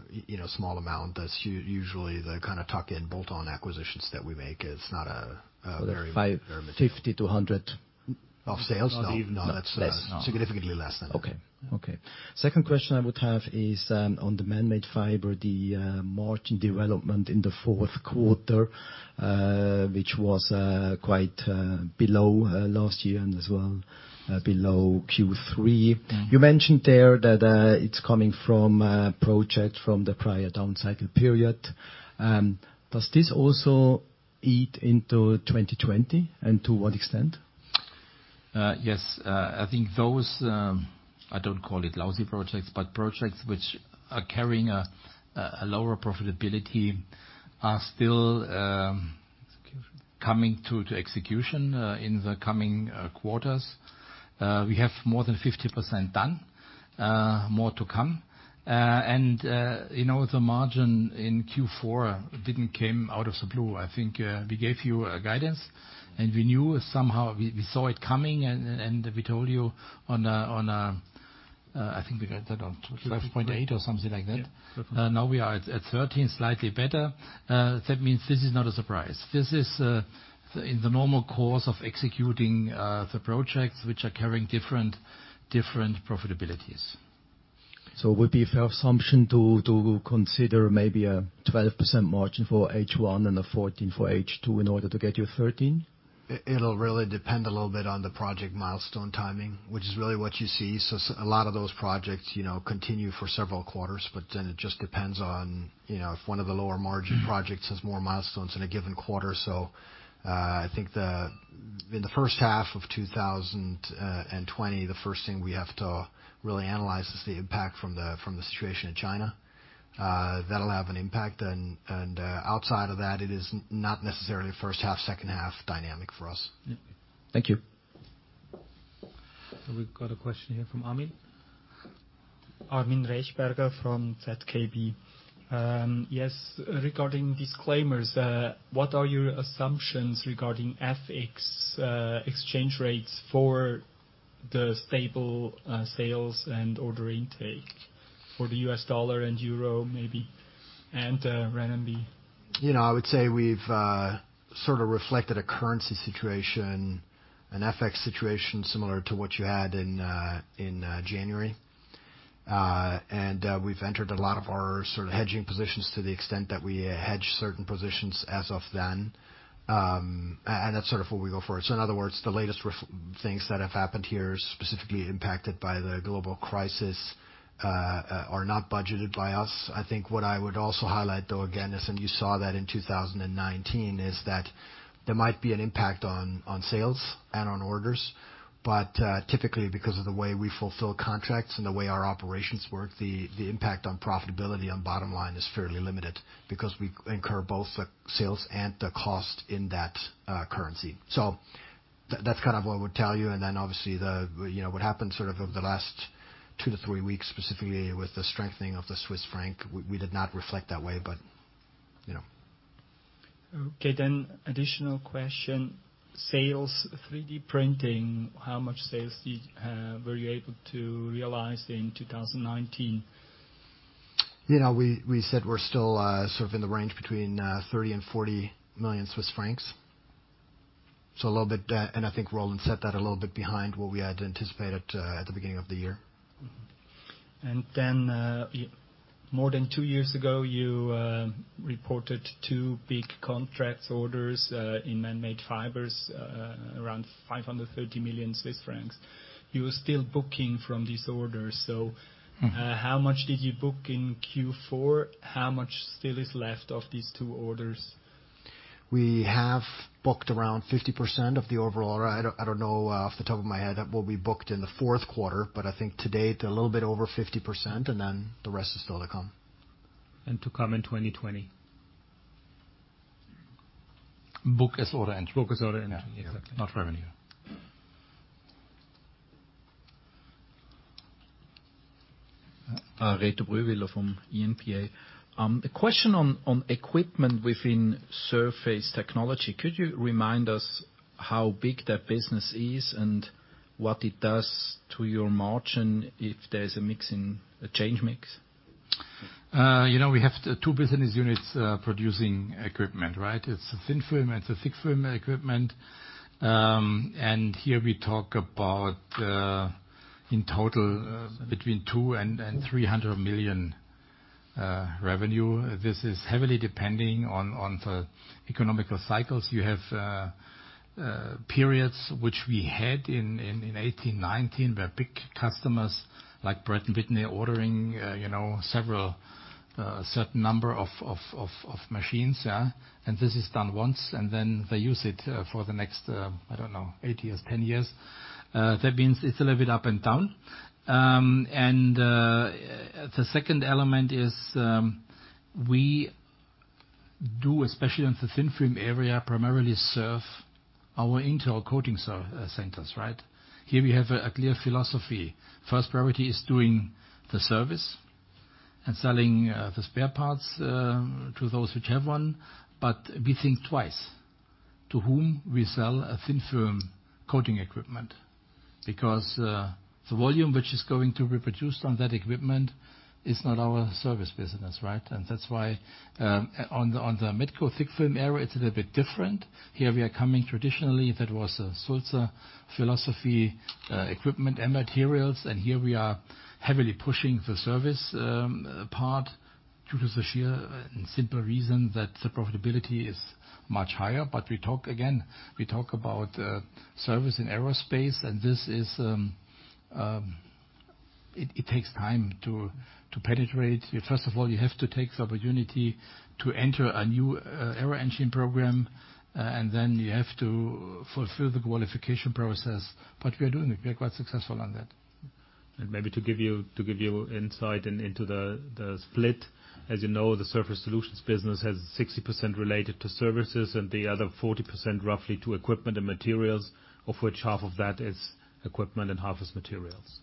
small amount. That's usually the kind of tuck-in, bolt-on acquisitions that we make. 50-100 of sales? No. Not even. Less. No. It's significantly less than that. Okay. Second question I would have is on the Manmade Fibers, the margin development in the fourth quarter, which was quite below last year and as well below Q3. You mentioned there that it's coming from a project from the prior down cycle period. Does this also eat into 2020, and to what extent? Yes. I think those, I don't call it lousy projects, but projects which are carrying a lower profitability are still. Execution. Coming to execution in the coming quarters. We have more than 50% done. More to come. The margin in Q4 didn't came out of the blue. I think we gave you a guidance, and we knew somehow, we saw it coming, and we told you on, I think we got that on 0.8 or something like that. Now we are at 13, slightly better. That means this is not a surprise. This is in the normal course of executing the projects which are carrying different profitabilities. Would it be a fair assumption to consider maybe a 12% margin for H1 and a 14% for H2 in order to get you 13%? It'll really depend a little bit on the project milestone timing, which is really what you see. A lot of those projects continue for several quarters, but then it just depends on if one of the lower margin projects has more milestones in a given quarter. I think in the first half of 2020, the first thing we have to really analyze is the impact from the situation in China. That'll have an impact, and outside of that, it is not necessarily a first half, second half dynamic for us. Yeah. Thank you. We've got a question here from Armin. Armin Rechberger from ZKB. Yes, regarding disclaimers, what are your assumptions regarding FX exchange rates for the stable sales and order intake for the U.S. dollar and Euro maybe, and Renminbi? I would say we've sort of reflected a currency situation, an FX situation similar to what you had in January. We've entered a lot of our hedging positions to the extent that we hedge certain positions as of then. That's sort of what we go for. In other words, the latest things that have happened here, specifically impacted by the global crisis, are not budgeted by us. I think what I would also highlight, though, again, is, and you saw that in 2019, is that there might be an impact on sales and on orders, but typically because of the way we fulfill contracts and the way our operations work, the impact on profitability on bottom line is fairly limited because we incur both the sales and the cost in that currency. That's kind of what I would tell you, and then obviously what happened sort of over the last two to three weeks, specifically with the strengthening of the Swiss franc, we did not reflect that way. Okay, additional question. Sales, 3D printing, how much sales were you able to realize in 2019? We said we're still sort of in the range between 30 million and 40 million Swiss francs. I think Roland said that a little bit behind what we had anticipated at the beginning of the year. More than two years ago, you reported two big contracts, orders in Manmade Fibers, around 530 million Swiss francs. You were still booking from these orders, how much did you book in Q4? How much still is left of these two orders? We have booked around 50% of the overall. I don't know off the top of my head what we booked in the fourth quarter. I think to date, a little bit over 50%, and then the rest is still to come. To come in 2020? Book as order entry. Yeah. Not revenue. Reto Brühwiler from ENPA. A question on equipment within surface technology. Could you remind us how big that business is and what it does to your margin if there's a change mix? We have two business units producing equipment. It's a thin film and a thick film equipment. Here we talk about, in total between 2 million and 300 million revenue. This is heavily depending on the economical cycles. You have periods which we had in 2018, 2019, where big customers like Pratt & Whitney are ordering several certain number of machines. This is done once, then they use it for the next, I don't know, eight years, 10 years. That means it's a little bit up and down. The second element is, we do, especially in the thin film area, primarily serve our internal coating centers. Here we have a clear philosophy. First priority is doing the service and selling the spare parts to those which have one. We think twice to whom we sell a thin film coating equipment, because the volume which is going to be produced on that equipment is not our service business. That's why on the Metco thick film area, it's a little bit different. Here we are coming traditionally, that was a Sulzer philosophy, equipment and materials. Here we are heavily pushing the service part due to the sheer and simple reason that the profitability is much higher. We talk again, we talk about service and aerospace, and it takes time to penetrate. First of all, you have to take the opportunity to enter a new aeroengine program, and then you have to fulfill the qualification process. We are doing it. We are quite successful on that. Maybe to give you insight into the split. As you know, the Surface Solutions business has 60% related to services and the other 40%, roughly, to equipment and materials, of which half of that is equipment and half is materials.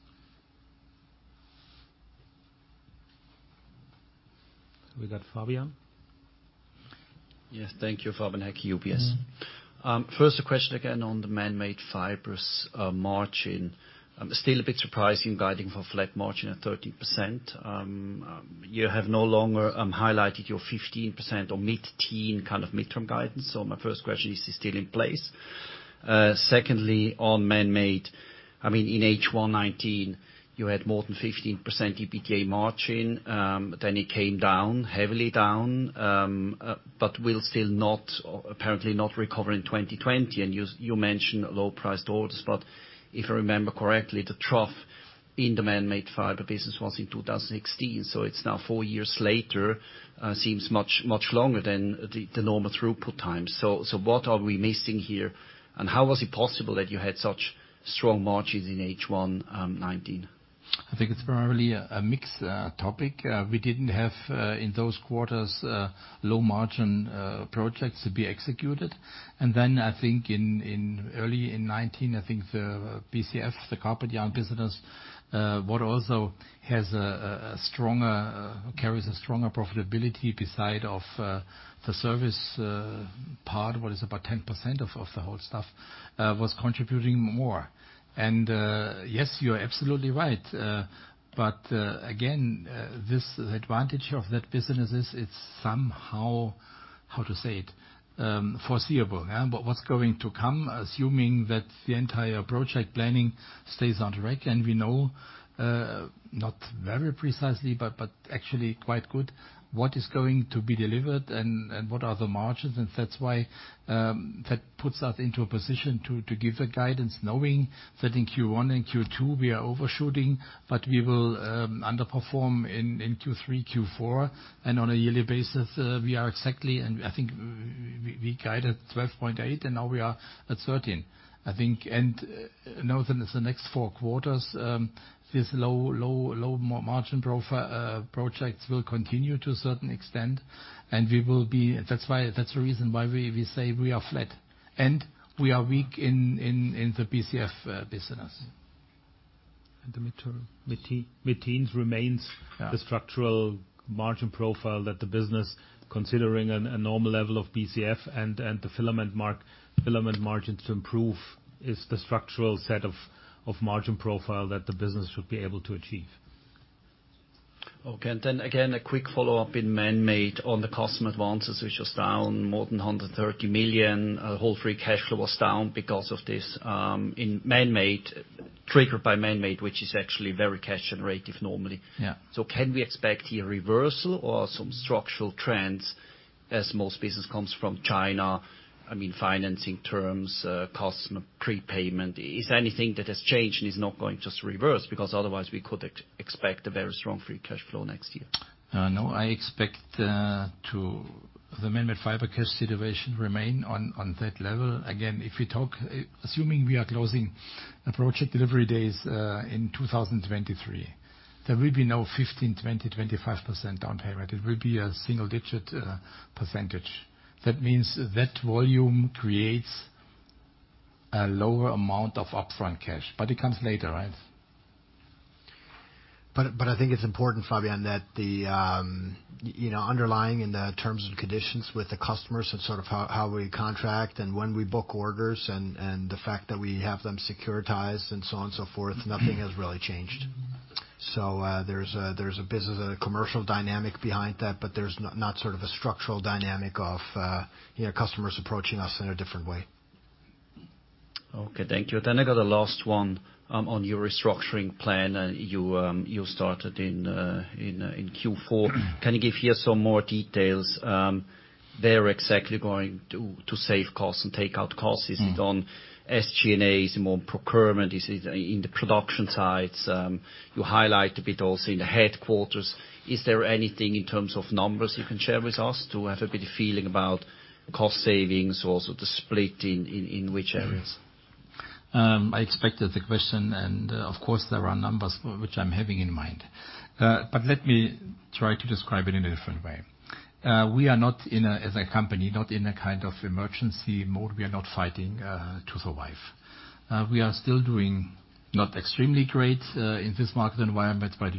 We got Fabian. Yes. Thank you. Fabian Haecki, UBS. First a question again on the Manmade Fibers margin. Still a bit surprising, guiding for flat margin at 13%. You have no longer highlighted your 15% or mid-teen kind of midterm guidance. My first question, is this still in place? Secondly, on man-made, in H1 2019, you had more than 15% EBITDA margin. It came down, heavily down, but will still apparently not recover in 2020. You mention low priced orders, but if I remember correctly, the trough in the Manmade Fiber business was in 2016. It's now four years later. Seems much longer than the normal throughput time. What are we missing here, and how was it possible that you had such strong margins in H1 2019? I think it's primarily a mixed topic. We didn't have, in those quarters, low margin projects to be executed. I think in early in 2019, I think the BCF, the carpet yarn business, what also carries a stronger profitability beside of the service part, what is about 10% of the whole stuff, was contributing more. Yes, you're absolutely right. Again, this advantage of that business is it's somehow, how to say it, foreseeable. What's going to come, assuming that the entire project planning stays on track and we know, not very precisely, but actually quite good, what is going to be delivered and what are the margins. That's why that puts us into a position to give a guidance knowing that in Q1 and Q2 we are overshooting, but we will underperform in Q3, Q4. On a yearly basis, we are exactly, and I think we guided 12.8% and now we are at 13%. Now then is the next four quarters, this low margin profile projects will continue to a certain extent. That's the reason why we say we are flat and we are weak in the BCF business. The mid-term. Mid-teens remains the structural margin profile that the business, considering a normal level of BCF and the filament margins to improve is the structural set of margin profile that the business should be able to achieve. Okay. Then again, a quick follow-up in Manmade on the custom advances, which was down more than 130 million. Whole free cash flow was down because of this, triggered by Manmade, which is actually very cash generative normally. Yeah. Can we expect here reversal or some structural trends as most business comes from China? Financing terms, customer prepayment. Is there anything that has changed and is not going just to reverse? Because otherwise we could expect a very strong free cash flow next year. No, I expect the Manmade Fibers cash situation remain on that level. Again, assuming we are closing a project delivery days in 2023, there will be no 15%, 20%, 25% down payment. It will be a single digit percentage. That means that volume creates. A lower amount of upfront cash, but it comes later, right? I think it's important, Fabian, that underlying in the terms and conditions with the customers and sort of how we contract and when we book orders and the fact that we have them securitized and so on and so forth, nothing has really changed. There's a business, a commercial dynamic behind that, but there's not sort of a structural dynamic of customers approaching us in a different way. Okay, thank you. I got a last one on your restructuring plan you started in Q4. Can you give here some more details where exactly you're going to save costs and take out costs? Is it on SG&As, more on procurement? Is it in the production sides? You highlight a bit also in the headquarters. Is there anything in terms of numbers you can share with us to have a bit of feeling about cost savings or sort of split in which areas? I expected the question and of course there are numbers which I'm having in mind. Let me try to describe it in a different way. We are not, as a company, not in a kind of emergency mode. We are not fighting to survive. We are still doing not extremely great in this market environment, but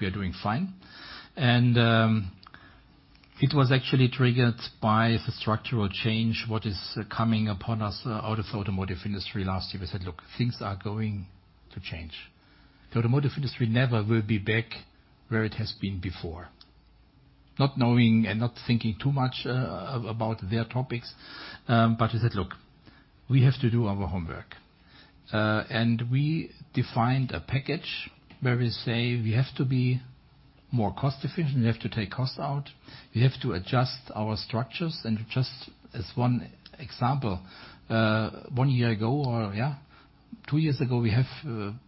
we are doing fine. It was actually triggered by the structural change, what is coming upon us out of automotive industry last year. We said, "Look, things are going to change." The automotive industry never will be back where it has been before. Not knowing and not thinking too much about their topics. We said, "Look, we have to do our homework." We defined a package where we say we have to be more cost efficient. We have to take costs out. We have to adjust our structures. Just as one example, one year ago or two years ago, we have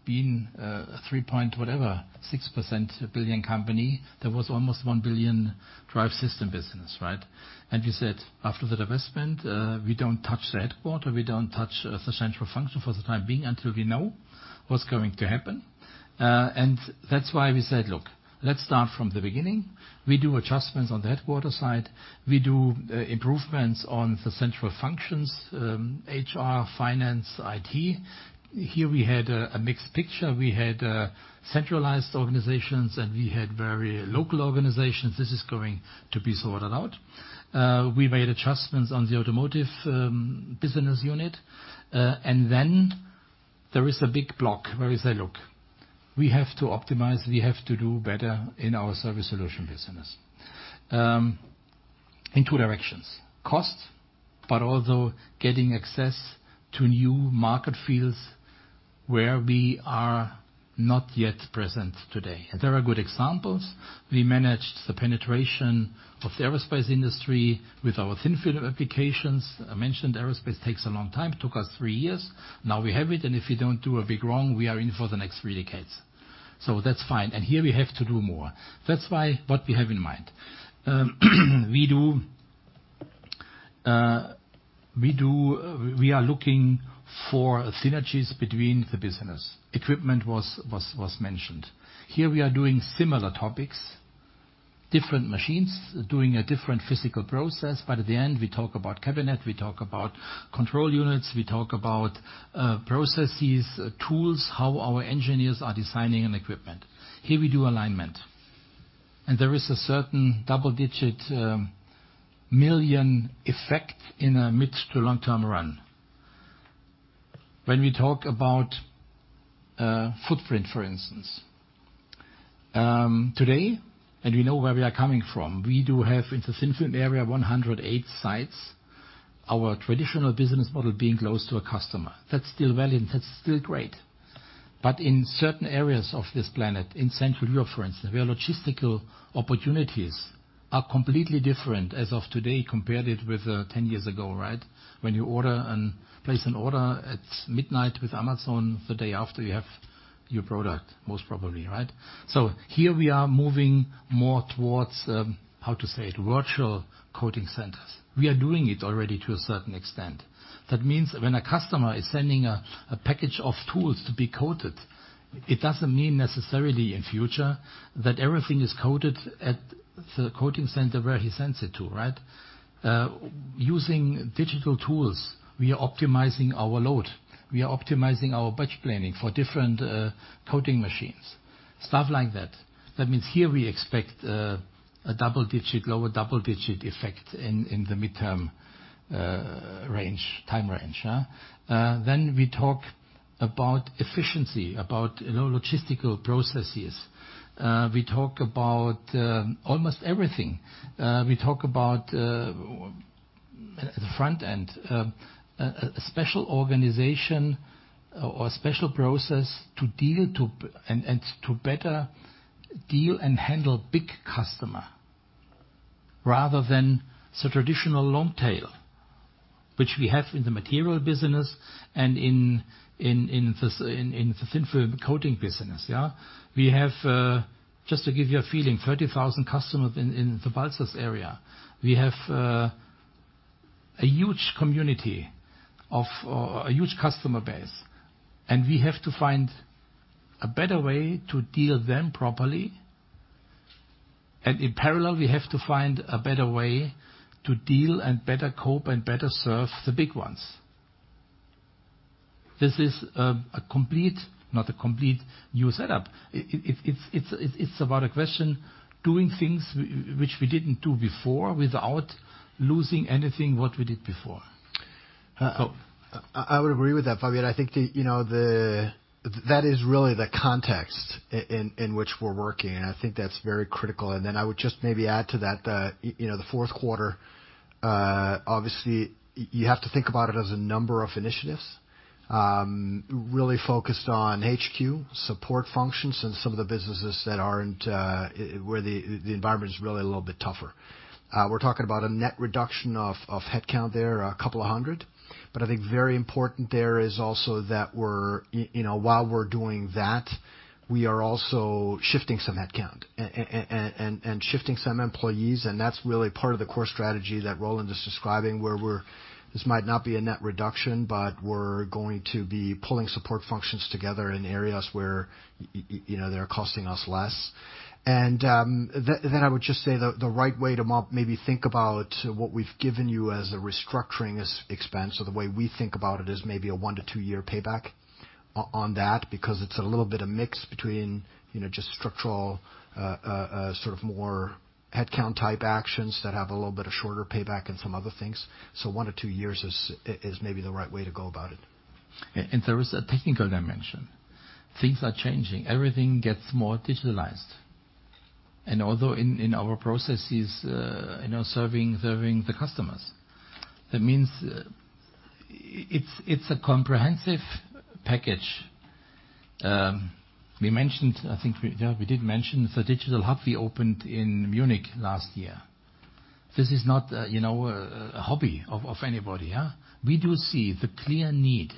been a 3.% whatever, 6% billion company. There was almost 1 billion Drive Systems business. We said, after the divestment, we don't touch the headquarter. We don't touch the central function for the time being until we know what's going to happen. That's why we said, "Look, let's start from the beginning." We do adjustments on the headquarter side. We do improvements on the central functions, HR, finance, IT. Here we had a mixed picture. We had centralized organizations, and we had very local organizations. This is going to be sorted out. We made adjustments on the automotive business unit. There is a big block where we say, "Look, we have to optimize, we have to do better in our Surface Solutions business." In two directions, costs, but also getting access to new market fields where we are not yet present today. There are good examples. We managed the penetration of the aerospace industry with our thin film applications. I mentioned aerospace takes a long time. Took us three years. Now we have it and if we don't do a big wrong, we are in for the next three decades. That's fine. Here we have to do more. That's why what we have in mind. We are looking for synergies between the business. Equipment was mentioned. Here we are doing similar topics, different machines, doing a different physical process. At the end we talk about CapEx, we talk about control units, we talk about processes, tools, how our engineers are designing equipment. Here we do alignment. There is a certain double-digit million effect in a mid to long-term run. When we talk about footprint, for instance. Today, we know where we are coming from. We do have in the thin film area 108 sites. Our traditional business model being close to a customer. That's still valid, that's still great. In certain areas of this planet, in Central Europe for instance, where logistical opportunities are completely different as of today compared it with 10 years ago. When you place an order at midnight with Amazon, the day after you have your product, most probably. Here we are moving more towards, how to say it, virtual coating centers. We are doing it already to a certain extent. That means when a customer is sending a package of tools to be coated, it doesn't mean necessarily in future that everything is coated at the coating center where he sends it to. Using digital tools, we are optimizing our load. We are optimizing our batch planning for different coating machines, stuff like that. That means here we expect a lower double-digit effect in the midterm time range. We talk about efficiency, about logistical processes. We talk about almost everything. We talk about the front end. A special organization or a special process to better deal and handle big customer rather than the traditional long tail, which we have in the material business and in the thin film coating business. We have, just to give you a feeling, 30,000 customers in the Balzers area. We have a huge customer base. We have to find a better way to deal them properly. In parallel, we have to find a better way to deal and better cope and better serve the big ones. This is a complete, not a complete new setup. It's about a question, doing things which we didn't do before without losing anything what we did before. I would agree with that, Fabian. I think that is really the context in which we're working, and I think that's very critical. Then I would just maybe add to that, the fourth quarter, obviously you have to think about it as a number of initiatives, really focused on HQ support functions and some of the businesses where the environment is really a little bit tougher. We're talking about a net reduction of headcount there, a couple of hundred. I think very important there is also that while we're doing that, we are also shifting some headcount and shifting some employees. That's really part of the core strategy that Roland is describing, where this might not be a net reduction, but we're going to be pulling support functions together in areas where they're costing us less. I would just say the right way to maybe think about what we've given you as a restructuring expense or the way we think about it is maybe a one-to-two-year payback on that, because it's a little bit of mix between just structural, sort of more headcount type actions that have a little bit of shorter payback and some other things. One to two years is maybe the right way to go about it. There is a technical dimension. Things are changing. Everything gets more digitalized. Although in our processes serving the customers, that means it's a comprehensive package. We did mention the digital hub we opened in Munich last year. This is not a hobby of anybody. We do see the clear need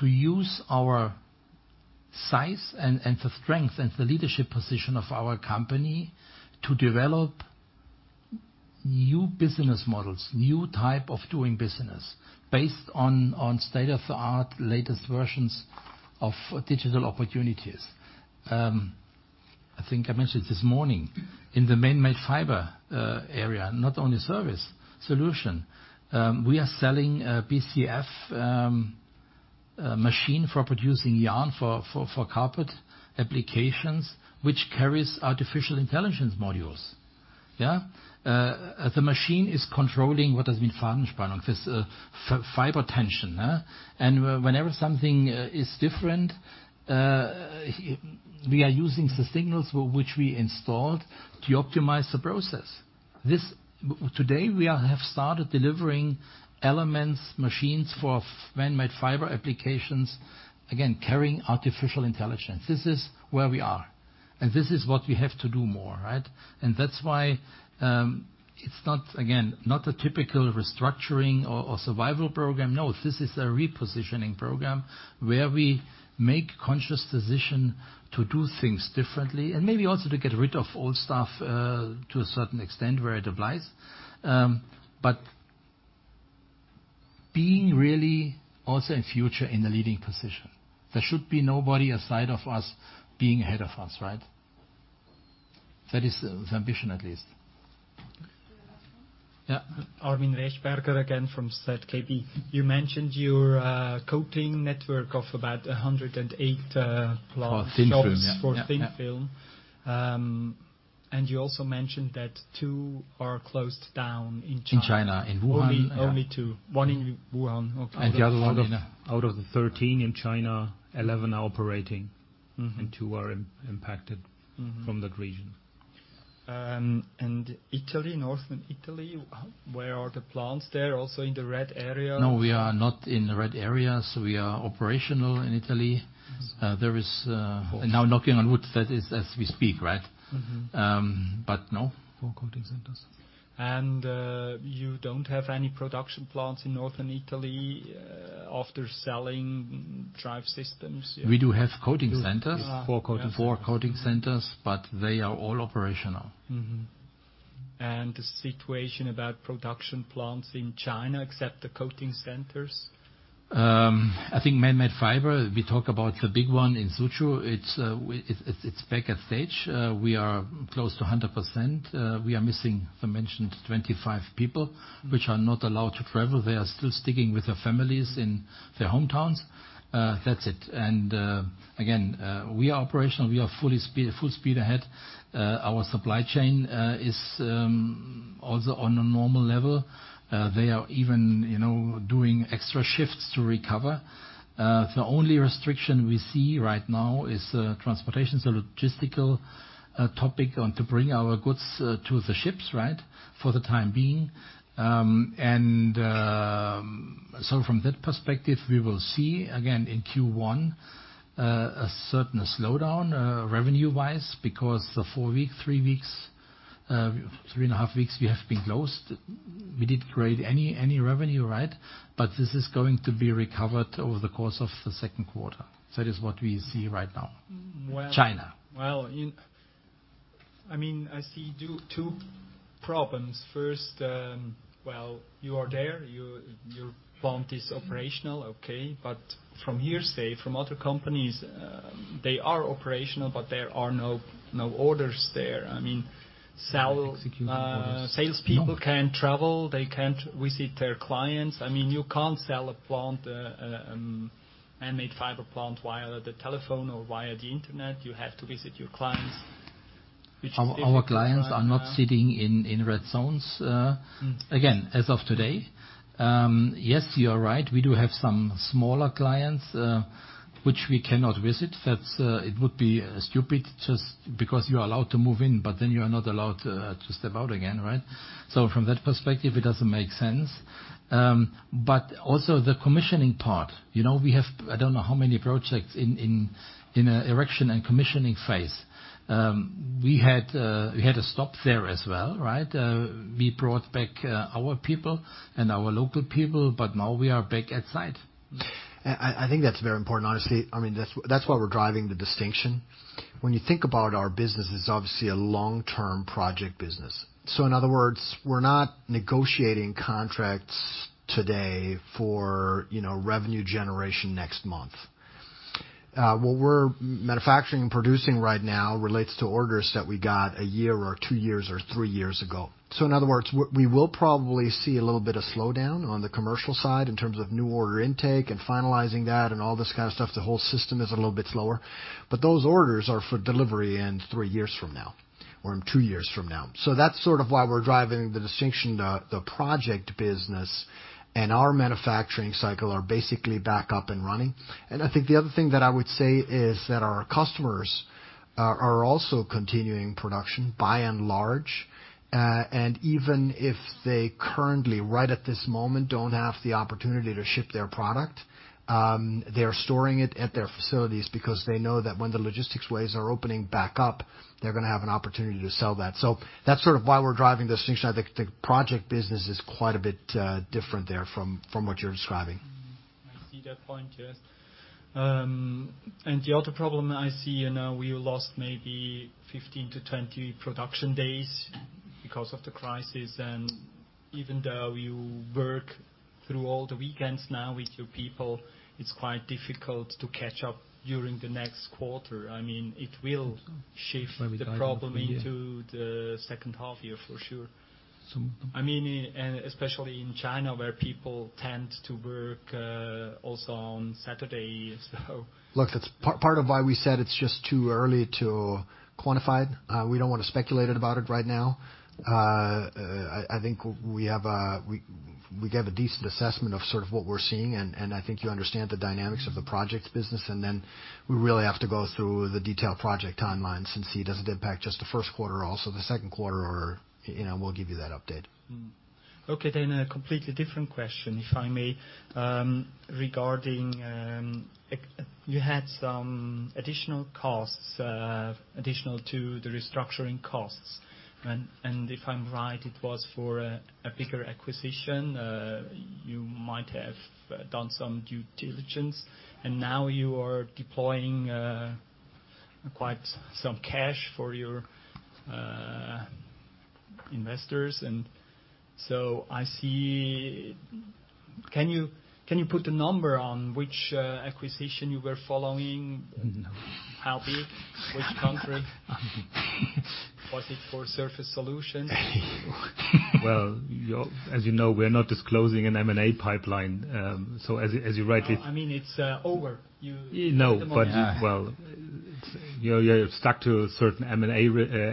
to use our size and the strength and the leadership position of our company to develop new business models, new type of doing business based on state-of-the-art latest versions of digital opportunities. I think I mentioned this morning in the Manmade Fibers area, not only service, solution. We are selling BCF machine for producing yarn for carpet applications, which carries artificial intelligence modules. Yeah? The machine is controlling what has been Fiber tension. Whenever something is different, we are using the signals which we installed to optimize the process. Today we have started delivering elements, machines for Manmade Fibers applications, again, carrying artificial intelligence. This is where we are. This is what we have to do more. That's why it's not, again, not a typical restructuring or survival program. No, this is a repositioning program where we make conscious decision to do things differently and maybe also to get rid of old stuff, to a certain extent where it applies. Being really also in future in the leading position. There should be nobody aside of us being ahead of us. That is the ambition at least. Yeah. Armin Rechberger again from ZKB. You mentioned your coating network of about 108+. For thin film. Jobs for thin film. You also mentioned that two are closed down in China. In China, in Wuhan. Only two. One in Wuhan. The other one out of the 13 in China, 11 are operating and two are impacted from that region. Italy, Northern Italy, where are the plants there? Also in the red area? We are not in the red area, we are operational in Italy. There is, now knocking on wood, that is as we speak, right? No, four coating centers. You don't have any production plants in Northern Italy after selling Drive Systems? We do have coating centers. Four coating centers. Four coating centers, but they are all operational. The situation about production plants in China except the coating centers? I think Manmade Fibers, we talk about the big one in Suzhou. It's back at stage. We are close to 100%. We are missing the mentioned 25 people, which are not allowed to travel. They are still sticking with their families in their hometowns. That's it. Again, we are operational. We are full speed ahead. Our supply chain is also on a normal level. They are even doing extra shifts to recover. The only restriction we see right now is transportation. Logistical topic and to bring our goods to the ships for the time being. From that perspective, we will see again in Q1 a certain slowdown revenue wise because the four week, three weeks, three and a half weeks we have been closed, we didn't create any revenue. This is going to be recovered over the course of the second quarter. That is what we see right now. China. Well, I see two problems. First, well, you are there, your plant is operational, okay. From here, say from other companies, they are operational, but there are no orders there. Salespeople can't travel. They can't visit their clients. You can't sell a plant, a Manmade Fibers plant via the telephone or via the internet. You have to visit your clients, which is difficult right now. Our clients are not sitting in red zones. Again, as of today. Yes, you are right. We do have some smaller clients, which we cannot visit. It would be stupid just because you're allowed to move in, but then you are not allowed to step out again, right? From that perspective, it doesn't make sense. Also the commissioning part, we have, I don't know how many projects in the erection and commissioning phase. We had a stop there as well, right? We brought back our people and our local people, but now we are back at site. I think that's very important, honestly. That's why we're driving the distinction. When you think about our business, it's obviously a long-term project business. In other words, we're not negotiating contracts today for revenue generation next month. What we're manufacturing and producing right now relates to orders that we got a year or two years or three years ago. In other words, we will probably see a little bit of slowdown on the commercial side in terms of new order intake and finalizing that and all this kind of stuff. The whole system is a little bit slower, those orders are for delivery in three years from now or in two years from now. That's why we're driving the distinction. The project business and our manufacturing cycle are basically back up and running. I think the other thing that I would say is that our customers are also continuing production by and large. Even if they currently, right at this moment, don't have the opportunity to ship their product, they are storing it at their facilities because they know that when the logistics ways are opening back up, they're going to have an opportunity to sell that. That's why we're driving the distinction. I think the project business is quite a bit different there from what you're describing. I see that point, yes. The other problem I see, we lost maybe 15 to 20 production days because of the crisis. Even though you work through all the weekends now with your people, it's quite difficult to catch up during the next quarter. It will shift the problem into the second half year for sure. Especially in China, where people tend to work also on Saturdays. Look, that's part of why we said it's just too early to quantify it. We don't want to speculate about it right now. I think we have a decent assessment of what we're seeing, and I think you understand the dynamics of the project business, and then we really have to go through the detailed project timeline and see, does it impact just the first quarter or also the second quarter? We'll give you that update. Okay, a completely different question, if I may. Regarding you had some additional costs, additional to the restructuring costs. If I'm right, it was for a bigger acquisition. You might have done some due diligence, and now you are deploying quite some cash for your investors. Can you put a number on which acquisition you were following? No. How big? Which country? Was it for Surface Solutions? Well, as you know, we're not disclosing an M&A pipeline. I mean, it's over. No. Well, you're stuck to a certain M&A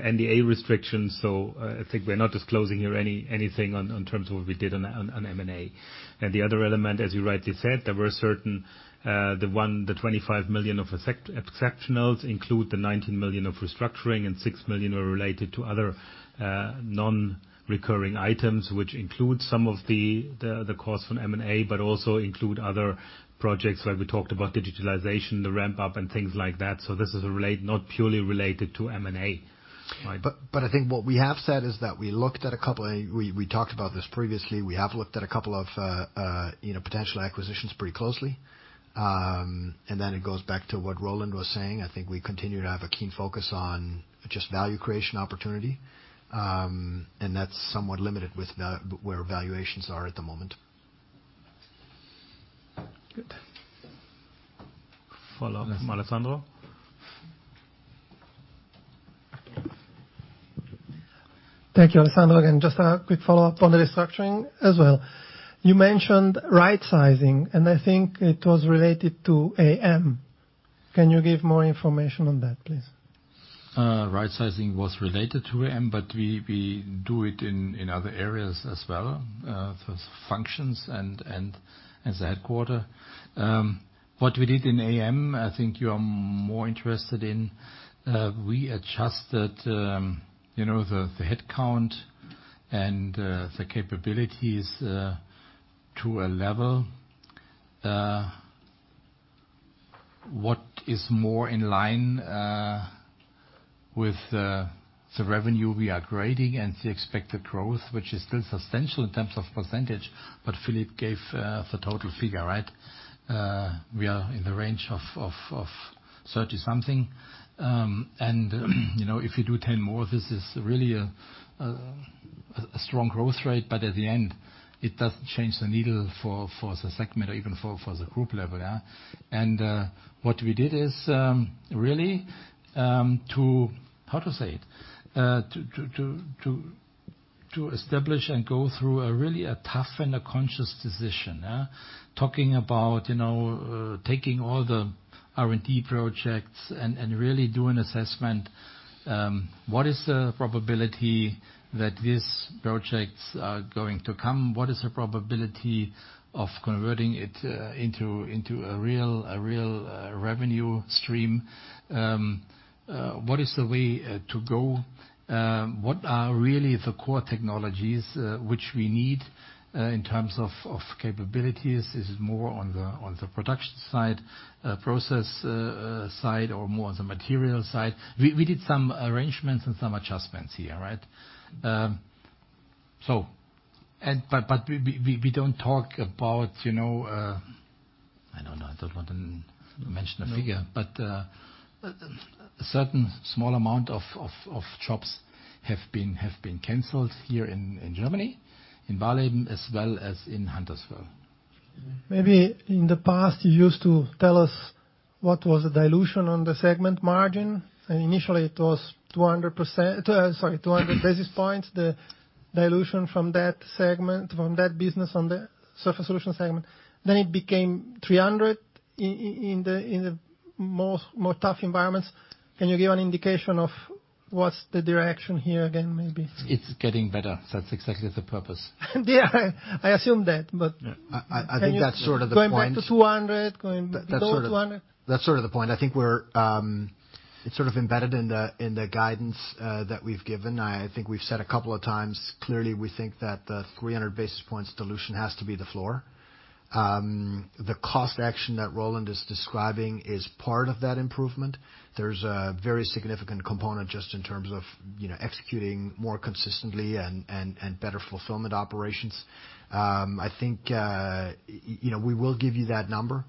NDA restrictions. I think we're not disclosing here anything in terms of what we did on M&A. The other element, as you rightly said, there were certain, the 25 million of exceptionals include the 19 million of restructuring and 6 million are related to other non-recurring items, which include some of the costs from M&A, but also include other projects like we talked about digitalization, the ramp up, and things like that. This is not purely related to M&A. I think what we have said is that we looked at a couple. We talked about this previously. We have looked at a couple of potential acquisitions pretty closely. It goes back to what Roland was saying. I think we continue to have a keen focus on just value creation opportunity, and that's somewhat limited with where valuations are at the moment. Good. Follow-up from Alessandro. Thank you. Alessandro again. Just a quick follow-up on the restructuring as well. You mentioned right-sizing, and I think it was related to AM. Can you give more information on that, please? Right-sizing was related to AM. We do it in other areas as well, for functions and as a headquarters. What we did in AM, I think you are more interested in, we adjusted the headcount and the capabilities to a level. What is more in line with the revenue we are generating and the expected growth, which is still substantial in terms of percentage. Philipp gave the total figure. We are in the range of 30% something. A strong growth rate, at the end, it doesn't change the needle for the segment or even for the group level. What we did is really to, how to say it, to establish and go through a really tough and a conscious decision. Talking about taking all the R&D projects and really do an assessment. What is the probability that these projects are going to come? What is the probability of converting it into a real revenue stream? What is the way to go? What are really the core technologies which we need in terms of capabilities? Is it more on the production side, process side, or more on the material side? We did some arrangements and some adjustments here. We don't talk about I don't know. I don't want to mention a figure. No. A certain small amount of jobs have been canceled here in Germany, in Wörnitz as well as in Huntersville. Maybe in the past you used to tell us what was the dilution on the segment margin, initially it was 200 basis points, the dilution from that segment, from that business on the Surface Solutions segment. It became 300 in the more tough environments. Can you give an indication of what's the direction here again, maybe? It's getting better. That's exactly the purpose. Yeah. I assumed that. I think that's sort of the point. Going back to 200, going below 200. That's sort of the point. I think it's sort of embedded in the guidance that we've given. I think we've said a couple of times, clearly, we think that the 300 basis points dilution has to be the floor. The cost action that Roland is describing is part of that improvement. There's a very significant component just in terms of executing more consistently and better fulfillment operations. I think we will give you that number.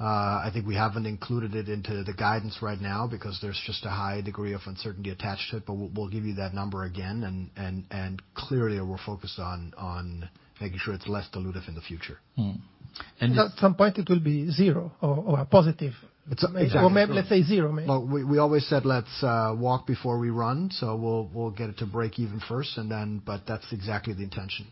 I think we haven't included it into the guidance right now because there's just a high degree of uncertainty attached to it, but we'll give you that number again, and clearly we're focused on making sure it's less dilutive in the future. At some point it will be zero or a positive. Exactly. Let's say zero, maybe. We always said let's walk before we run. We'll get it to break even first. That's exactly the intention.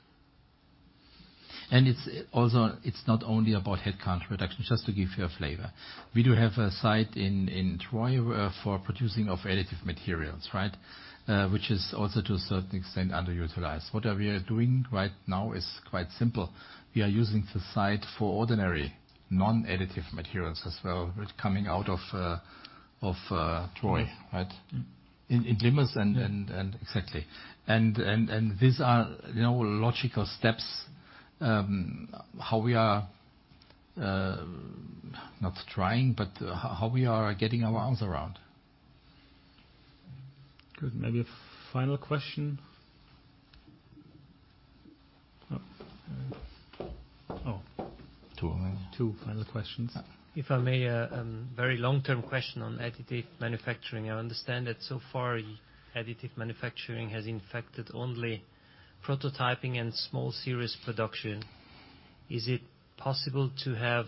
Also, it's not only about headcount reduction, just to give you a flavor. We do have a site in Troy for producing of additive materials. Which is also to a certain extent underutilized. What we are doing right now is quite simple. We are using the site for ordinary non-additive materials as well, coming out of Troy, in Lima. Exactly. These are logical steps, how we are, not trying, but how we are getting our arms around. Good. Maybe a final question? Oh. Two only. Two final questions. Yeah. If I may, a very long-term question on additive manufacturing. I understand that so far additive manufacturing has affected only prototyping and small series production. Is it possible to have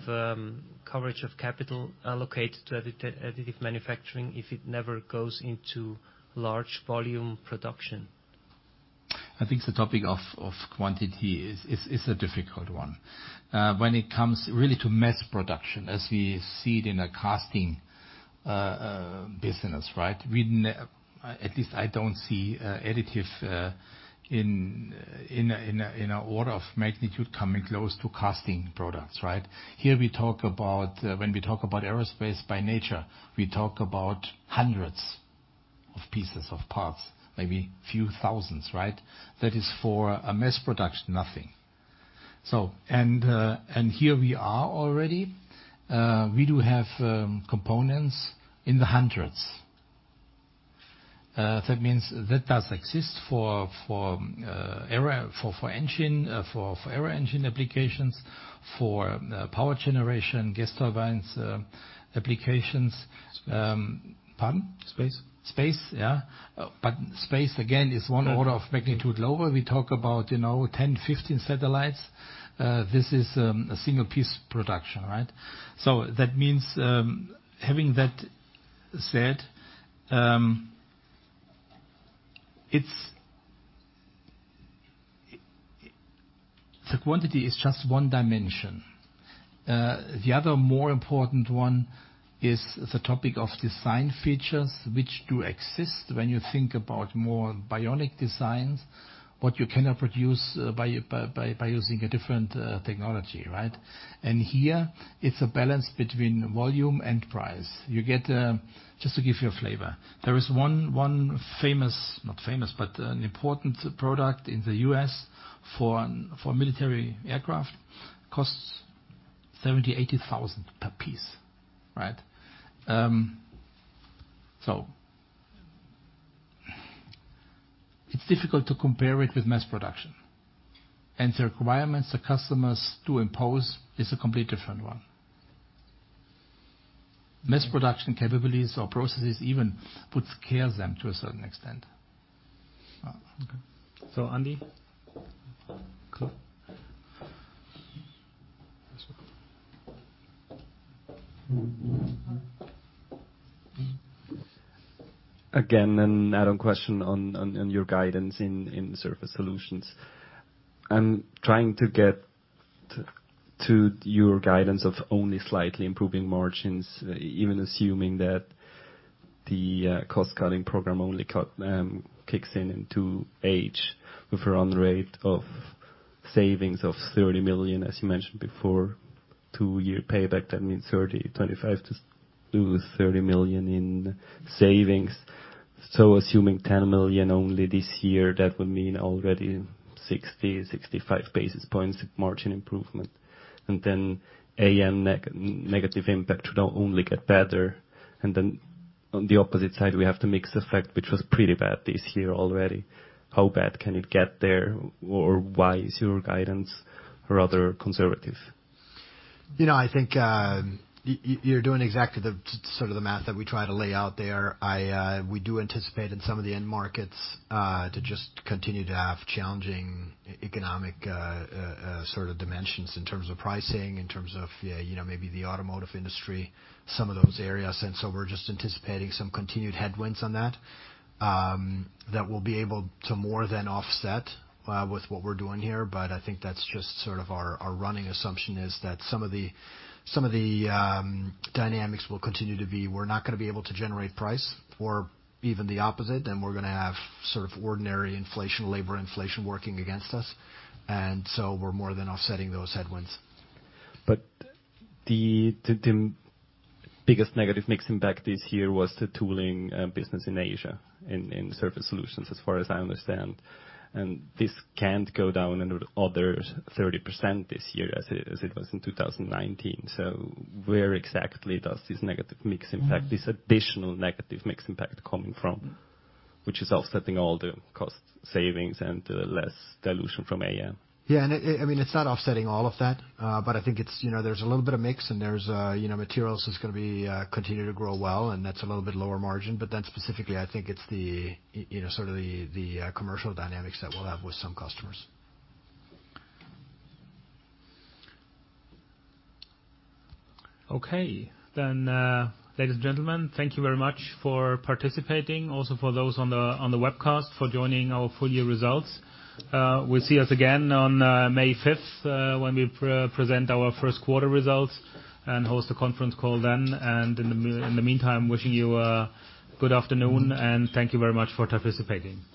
coverage of capital allocated to additive manufacturing if it never goes into large volume production? I think the topic of quantity is a difficult one. When it comes really to mass production, as we see it in a casting business. At least I don't see additive in an order of magnitude coming close to casting products. Here, when we talk about aerospace by nature, we talk about hundreds of pieces, of parts, maybe few thousands. That is for a mass production, nothing. Here we are already. We do have components in the hundreds. That means that does exist for aero engine applications, for power generation, gas turbines applications. Pardon? Space. Space, yeah. Space again is one order of magnitude lower. We talk about 10, 15 satellites. This is a single piece production. That means, having that said, the quantity is just one dimension. The other more important one is the topic of design features, which do exist when you think about more bionic designs, what you cannot produce by using a different technology. Here it's a balance between volume and price. Just to give you a flavor. There is one famous, not famous, but an important product in the U.S. for military aircraft, costs 70,000, 80,000 per piece. It's difficult to compare it with mass production. The requirements the customers do impose is a complete different one. Mass production capabilities or processes even would scare them to a certain extent. Okay. Andy? Cool. Again, an add-on question on your guidance in Surface Solutions. I am trying to get to your guidance of only slightly improving margins, even assuming that the Cost Coating Program only cost them kicks in in 2H with a run rate of savings of 30 million, as you mentioned before. Two-year payback, that means 25 million-30 million in savings. Assuming 10 million only this year, that would mean already 60, 65 basis points margin improvement. AM negative impact should only get better. On the opposite side, we have the mix effect, which was pretty bad this year already. How bad can it get there? Why is your guidance rather conservative? I think you're doing exactly the sort of the math that we try to lay out there. We do anticipate in some of the end markets to just continue to have challenging economic dimensions in terms of pricing, in terms of maybe the automotive industry, some of those areas. We're just anticipating some continued headwinds on that we'll be able to more than offset with what we're doing here. I think that's just sort of our running assumption is that some of the dynamics will continue to be, we're not going to be able to generate price or even the opposite, and we're going to have sort of ordinary inflation, labor inflation working against us. We're more than offsetting those headwinds. The biggest negative mix impact this year was the tooling business in Asia, in Surface Solutions, as far as I understand. This can't go down another 30% this year as it was in 2019. Where exactly does this negative mix impact, this additional negative mix impact coming from, which is offsetting all the cost savings and less dilution from AM? Yeah. It's not offsetting all of that. I think there's a little bit of mix and there's materials that's going to continue to grow well, and that's a little bit lower margin. Specifically, I think it's the commercial dynamics that we'll have with some customers. Okay. Ladies and gentlemen, thank you very much for participating, also for those on the webcast for joining our full year results. We'll see you again on May 5th, when we present our first quarter results and host a conference call then. In the meantime, wishing you a good afternoon, and thank you very much for participating. Thank you.